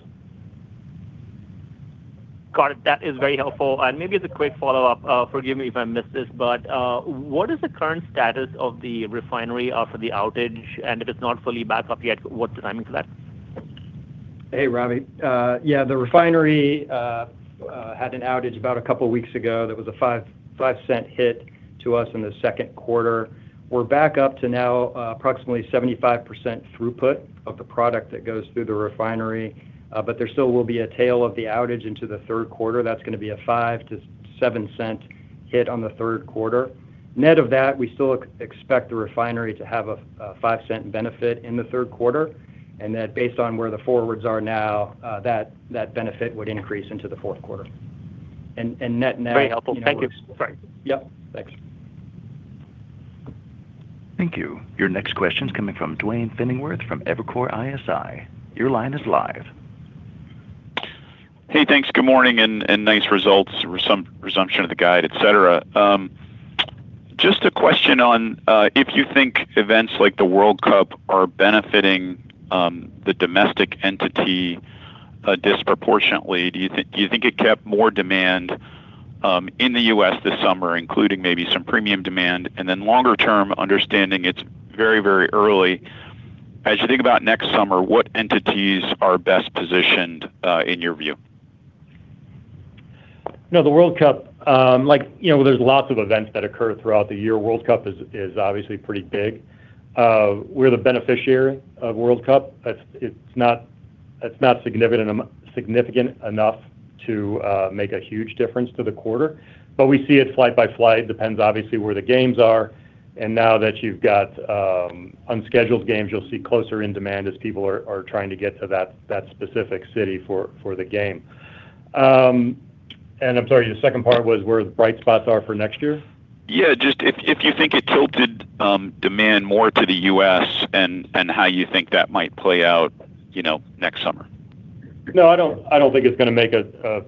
Got it. That is very helpful. Maybe just a quick follow-up. Forgive me if I missed this, but what is the current status of the refinery after the outage? If it's not fully back up yet, what timing is that? Hey, Ravi. Yeah, the refinery had an outage about a couple of weeks ago that was a $0.05 hit to us in the second quarter. We're back up to now approximately 75% throughput of the product that goes through the refinery. There still will be a tail of the outage into the third quarter. That's going to be a $0.05-$0.07 hit on the third quarter. Net of that, we still expect the refinery to have a $0.05 benefit in the third quarter. That based on where the forwards are now, that benefit would increase into the fourth quarter. Very helpful. Thank you. Sorry. Yep. Thanks. Thank you. Your next question's coming from Duane Pfennigwerth from Evercore ISI. Your line is live. Hey, thanks. Good morning, nice results, resumption of the guide, et cetera. Just a question on if you think events like the World Cup are benefiting the domestic entity disproportionately. Do you think it kept more demand in the U.S. this summer, including maybe some premium demand? Longer term understanding, it's very early. As you think about next summer, what entities are best positioned in your view? The World Cup, there's lots of events that occur throughout the year. World Cup is obviously pretty big. We're the beneficiary of World Cup. It's not significant enough to make a huge difference to the quarter, but we see it flight by flight. Depends, obviously, where the games are. Now that you've got unscheduled games, you'll see closer in demand as people are trying to get to that specific city for the game. I'm sorry, the second part was where the bright spots are for next year? Yeah, just if you think it tilted demand more to the U.S. and how you think that might play out next summer. No, I don't think it's going to make a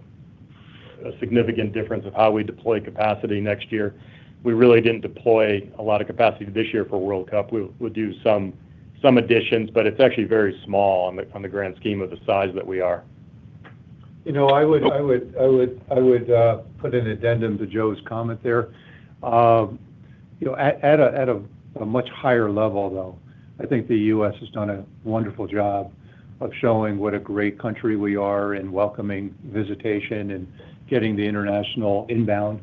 significant difference of how we deploy capacity next year. We really didn't deploy a lot of capacity this year for World Cup. We'll do some additions, but it's actually very small on the grand scheme of the size that we are. I would put an addendum to Joe's comment there. At a much higher level, though, I think the U.S. has done a wonderful job of showing what a great country we are in welcoming visitation and getting the international inbound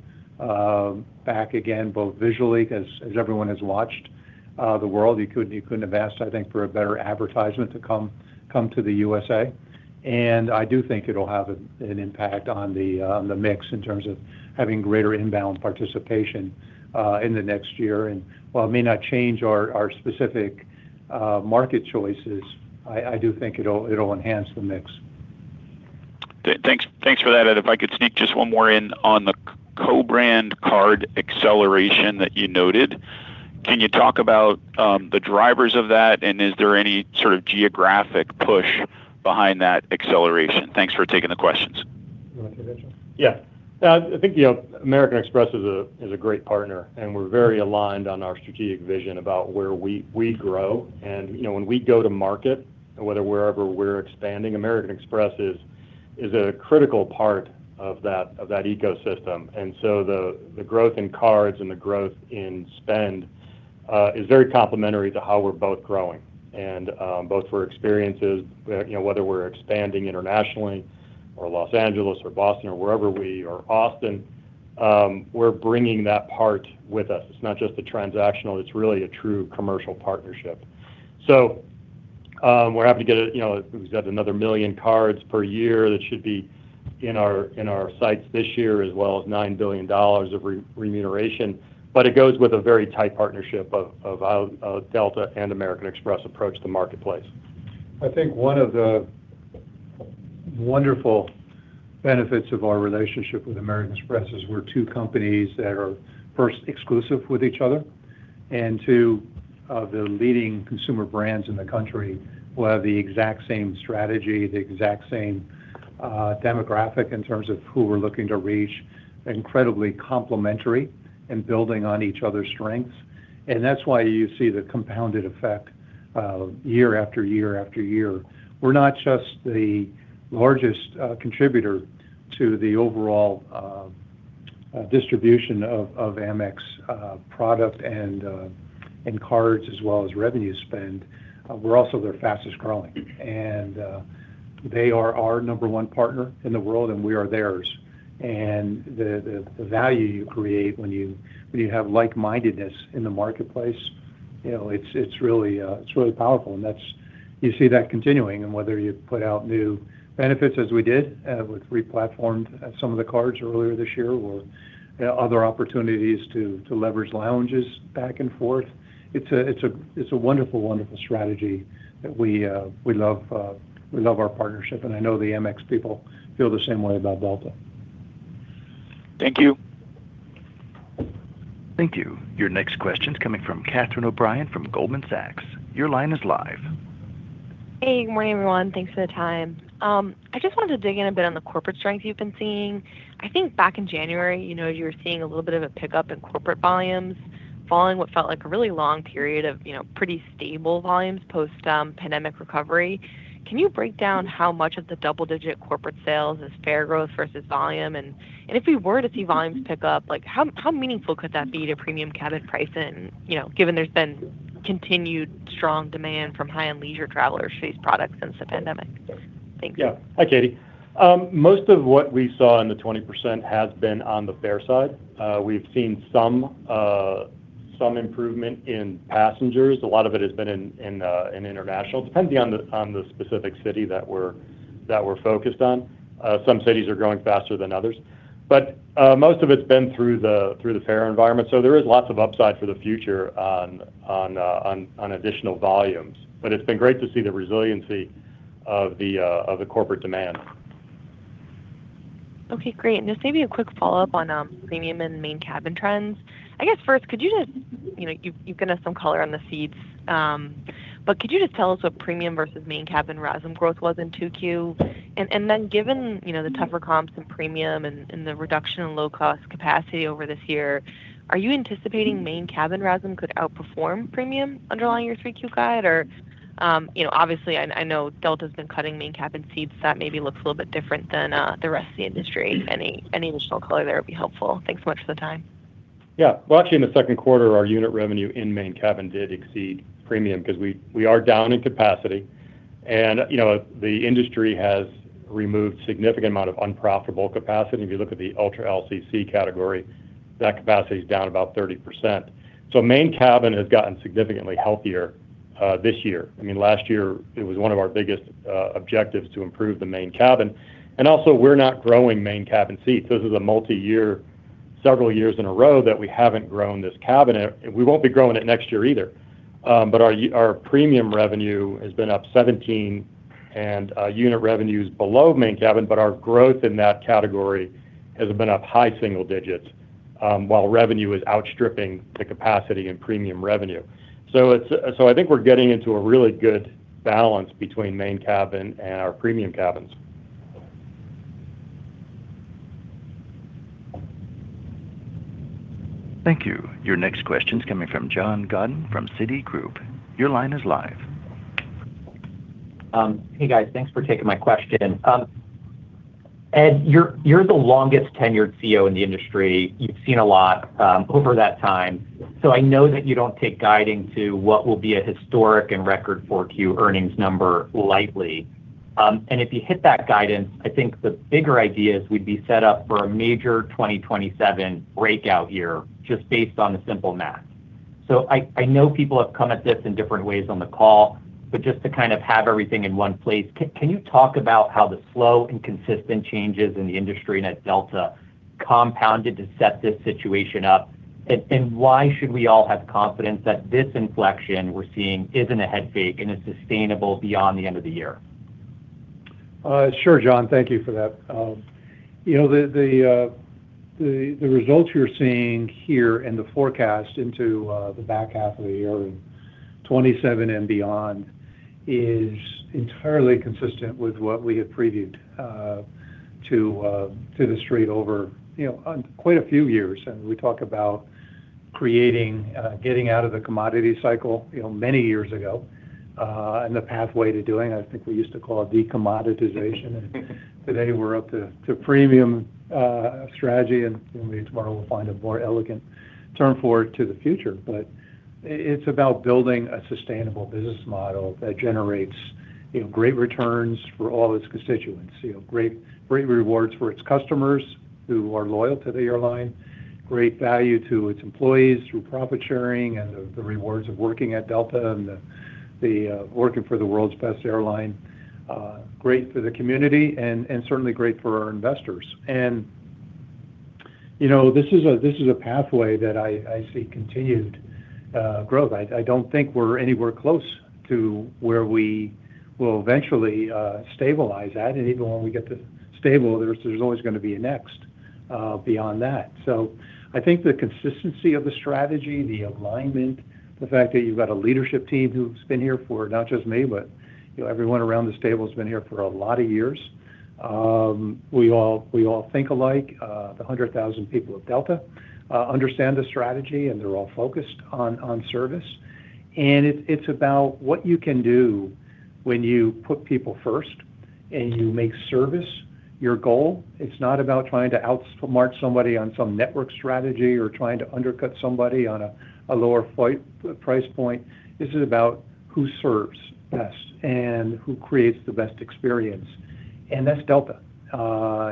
back again, both visually, because as everyone has watched the world, you couldn't have asked, I think, for a better advertisement to come to the U.S.A. I do think it'll have an impact on the mix in terms of having greater inbound participation in the next year. While it may not change our specific market choices, I do think it'll enhance the mix. Thanks for that. If I could sneak just one more in on the co-brand card acceleration that you noted. Can you talk about the drivers of that, and is there any sort of geographic push behind that acceleration? Thanks for taking the questions. You want me to take that? Yeah. I think American Express is a great partner. We're very aligned on our strategic vision about where we grow. When we go to market and wherever we're expanding, American Express is a critical part of that ecosystem. The growth in cards and the growth in spend is very complementary to how we're both growing. Both for experiences, whether we're expanding internationally or Los Angeles or Boston or wherever we are, Austin, we're bringing that part with us. It's not just the transactional, it's really a true commercial partnership. We're happy to get it. We've got another million cards per year that should be in our sights this year, as well as $9 billion of remuneration. It goes with a very tight partnership of Delta and American Express approach to marketplace. I think one of the wonderful benefits of our relationship with American Express is we're two companies that are, first, exclusive with each other, two, the leading consumer brands in the country who have the exact same strategy, the exact same demographic in terms of who we're looking to reach, incredibly complementary and building on each other's strengths. That's why you see the compounded effect year after year after year. We're not just the largest contributor to the overall distribution of Amex product and cards as well as revenue spend. We're also their fastest growing. They are our number 1 partner in the world, and we are theirs. The value you create when you have like-mindedness in the marketplace, it's really powerful. You see that continuing whether you put out new benefits as we did with re-platformed some of the cards earlier this year or other opportunities to leverage lounges back and forth. It's a wonderful strategy that we love our partnership, and I know the Amex people feel the same way about Delta. Thank you. Thank you. Your next question is coming from Catherine O'Brien from Goldman Sachs. Your line is live. Hey. Good morning, everyone. Thanks for the time. I just wanted to dig in a bit on the corporate strength you've been seeing. I think back in January, you were seeing a little bit of a pickup in corporate volumes following what felt like a really long period of pretty stable volumes post-pandemic recovery. Can you break down how much of the double-digit corporate sales is fare growth versus volume? If we were to see volumes pick up, how meaningful could that be to premium cabin pricing, given there's been continued strong demand from high-end leisure travelers for these products since the pandemic? Thanks. Yeah. Hi, Catie. Most of what we saw in the 20% has been on the fare side. We've seen some improvement in passengers. A lot of it has been in international. Depends on the specific city that we're focused on. Some cities are growing faster than others. Most of it's been through the fare environment, so there is lots of upside for the future on additional volumes. It's been great to see the resiliency of the corporate demand. Okay, great. Just maybe a quick follow-up on premium and main cabin trends. I guess, first, you've given us some color on the seats, could you just tell us what premium versus main cabin RASM growth was in 2Q? Given the tougher comps in premium and the reduction in low-cost capacity over this year, are you anticipating main cabin RASM could outperform premium underlying your 3Q guide? Obviously, I know Delta's been cutting main cabin seats. That maybe looks a little bit different than the rest of the industry. Any additional color there would be helpful. Thanks so much for the time. Well, actually, in the second quarter, our unit revenue in main cabin did exceed premium because we are down in capacity, and the industry has removed significant amount of unprofitable capacity. If you look at the ultra LCC category, that capacity is down about 30%. Main cabin has gotten significantly healthier this year. Last year, it was one of our biggest objectives to improve the main cabin. Also, we're not growing main cabin seats. Those are the multi-year, several years in a row that we haven't grown this cabin. We won't be growing it next year either. Our premium revenue has been up 17% and unit revenue is below main cabin, but our growth in that category has been up high single digits. While revenue is outstripping the capacity and premium revenue. I think we're getting into a really good balance between main cabin and our premium cabins. Thank you. Your next question's coming from Jon Gordon from Citigroup. Your line is live. Hey, guys. Thanks for taking my question. Ed, you're the longest-tenured CEO in the industry. You've seen a lot over that time. I know that you don't take guiding to what will be a historic and record 4Q earnings number lightly. If you hit that guidance, I think the bigger idea is we'd be set up for a major 2027 breakout year just based on the simple math. I know people have come at this in different ways on the call, but just to kind of have everything in one place, can you talk about how the slow and consistent changes in the industry and at Delta compounded to set this situation up? Why should we all have confidence that this inflection we're seeing isn't a head fake and is sustainable beyond the end of the year? Sure, Jon. Thank you for that. The results you're seeing here and the forecast into the back half of the year and 2027 and beyond is entirely consistent with what we had previewed to The Street over quite a few years. We talk about getting out of the commodity cycle many years ago. The pathway to doing, I think we used to call it de-commoditization, and today we're up to premium strategy, and maybe tomorrow we'll find a more elegant term for it to the future. It's about building a sustainable business model that generates great returns for all its constituents. Great rewards for its customers who are loyal to the airline, great value to its employees through profit sharing and the rewards of working at Delta and working for the world's best airline. Great for the community and certainly great for our investors. This is a pathway that I see continued growth. I don't think we're anywhere close to where we will eventually stabilize at. Even when we get to stable, there's always going to be a next beyond that. I think the consistency of the strategy, the alignment, the fact that you've got a leadership team who's been here for, not just me, but everyone around this table has been here for a lot of years. We all think alike. The 100,000 people of Delta understand the strategy, and they're all focused on service. It's about what you can do when you put people first and you make service your goal. It's not about trying to outsmart somebody on some network strategy or trying to undercut somebody on a lower price point. This is about who serves best and who creates the best experience. That's Delta.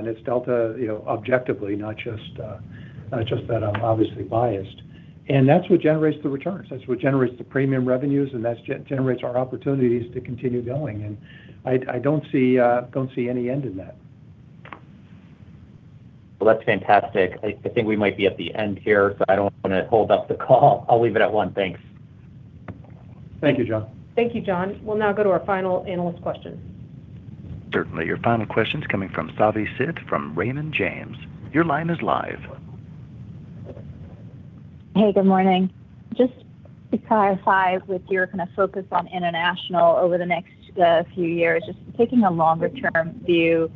It's Delta objectively, not just that I'm obviously biased. That's what generates the returns. That's what generates the premium revenues, and that generates our opportunities to continue going. I don't see any end in that. Well, that's fantastic. I think we might be at the end here, so I don't want to hold up the call. I'll leave it at one. Thanks. Thank you, Jon. Thank you, Jon. We'll now go to our final analyst question. Certainly. Your final question's coming from Savanthi Syth from Raymond James. Your line is live. Hey, good morning. Just to clarify with your kind of focus on international over the next few years, just taking a longer-term view,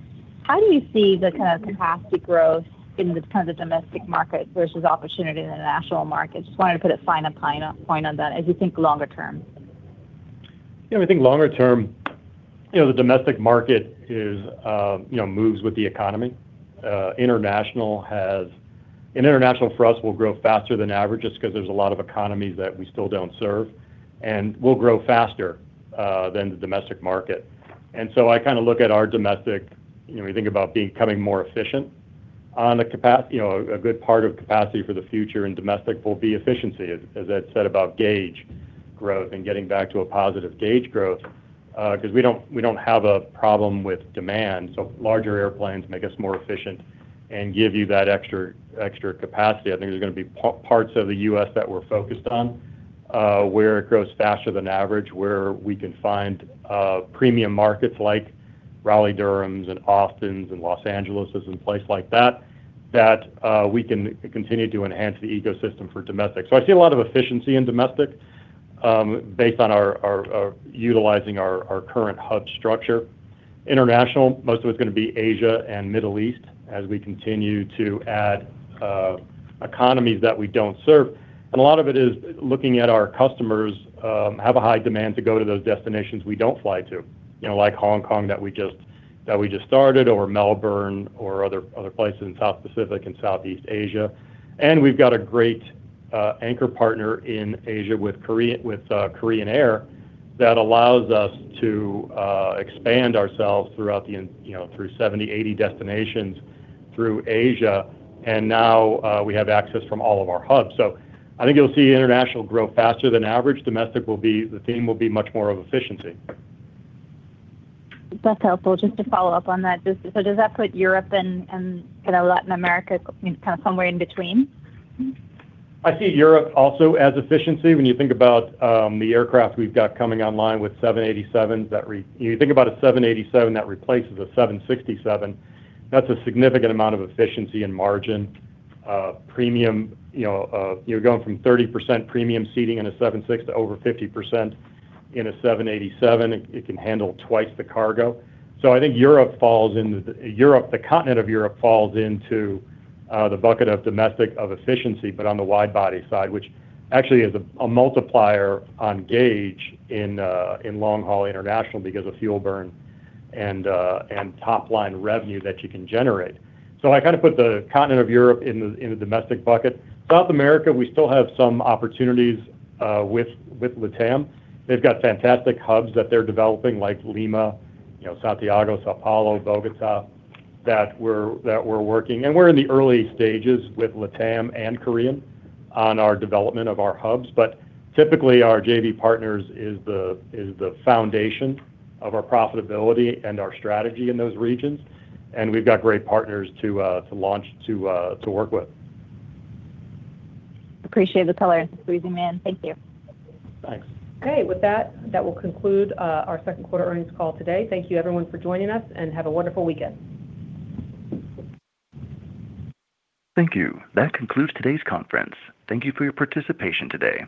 how do you see the kind of capacity growth in the kind of domestic market versus opportunity in the international market? Just wanted to put a finer point on that as you think longer term. I think longer term, the domestic market moves with the economy. International for us will grow faster than average just because there's a lot of economies that we still don't serve. We'll grow faster than the domestic market. I kind of look at our domestic, we think about becoming more efficient on a good part of capacity for the future in domestic will be efficiency, as Ed said about gauge growth and getting back to a positive gauge growth. Because we don't have a problem with demand, so larger airplanes make us more efficient and give you that extra capacity. I think there's going to be parts of the U.S. that we're focused on, where it grows faster than average, where we can find premium markets like Raleigh-Durham and Austin and Los Angeles and places like that we can continue to enhance the ecosystem for domestic. I see a lot of efficiency in domestic based on utilizing our current hub structure. International, most of it's going to be Asia and Middle East as we continue to add economies that we don't serve. A lot of it is looking at our customers have a high demand to go to those destinations we don't fly to, like Hong Kong that we just started, or Melbourne or other places in South Pacific and Southeast Asia. We've got a great anchor partner in Asia with Korean Air that allows us to expand ourselves through 70, 80 destinations through Asia. Now we have access from all of our hubs. I think you'll see international grow faster than average. Domestic, the theme will be much more of efficiency. That's helpful. Just to follow-up on that, does that put Europe and Latin America kind of somewhere in between? I see Europe also as efficiency. When you think about the aircraft we've got coming online with 787s. You think about a 787 that replaces a 767, that's a significant amount of efficiency and margin. You're going from 30% premium seating in a 767 to over 50% in a 787. It can handle twice the cargo. I think the continent of Europe falls into the bucket of domestic of efficiency, but on the wide body side, which actually is a multiplier on gauge in long-haul international because of fuel burn and top-line revenue that you can generate. I kind of put the continent of Europe in the domestic bucket. South America, we still have some opportunities with LATAM. They've got fantastic hubs that they're developing, like Lima, Santiago, São Paulo, Bogotá, that we're working. We're in the early stages with LATAM and Korean on our development of our hubs. Typically, our JV partners is the foundation of our profitability and our strategy in those regions. We've got great partners to launch to work with. Appreciate the color. Squeezing me in. Thank you. Thanks. Okay, with that will conclude our second quarter earnings call today. Thank you, everyone, for joining us, and have a wonderful weekend. Thank you. That concludes today's conference. Thank you for your participation today.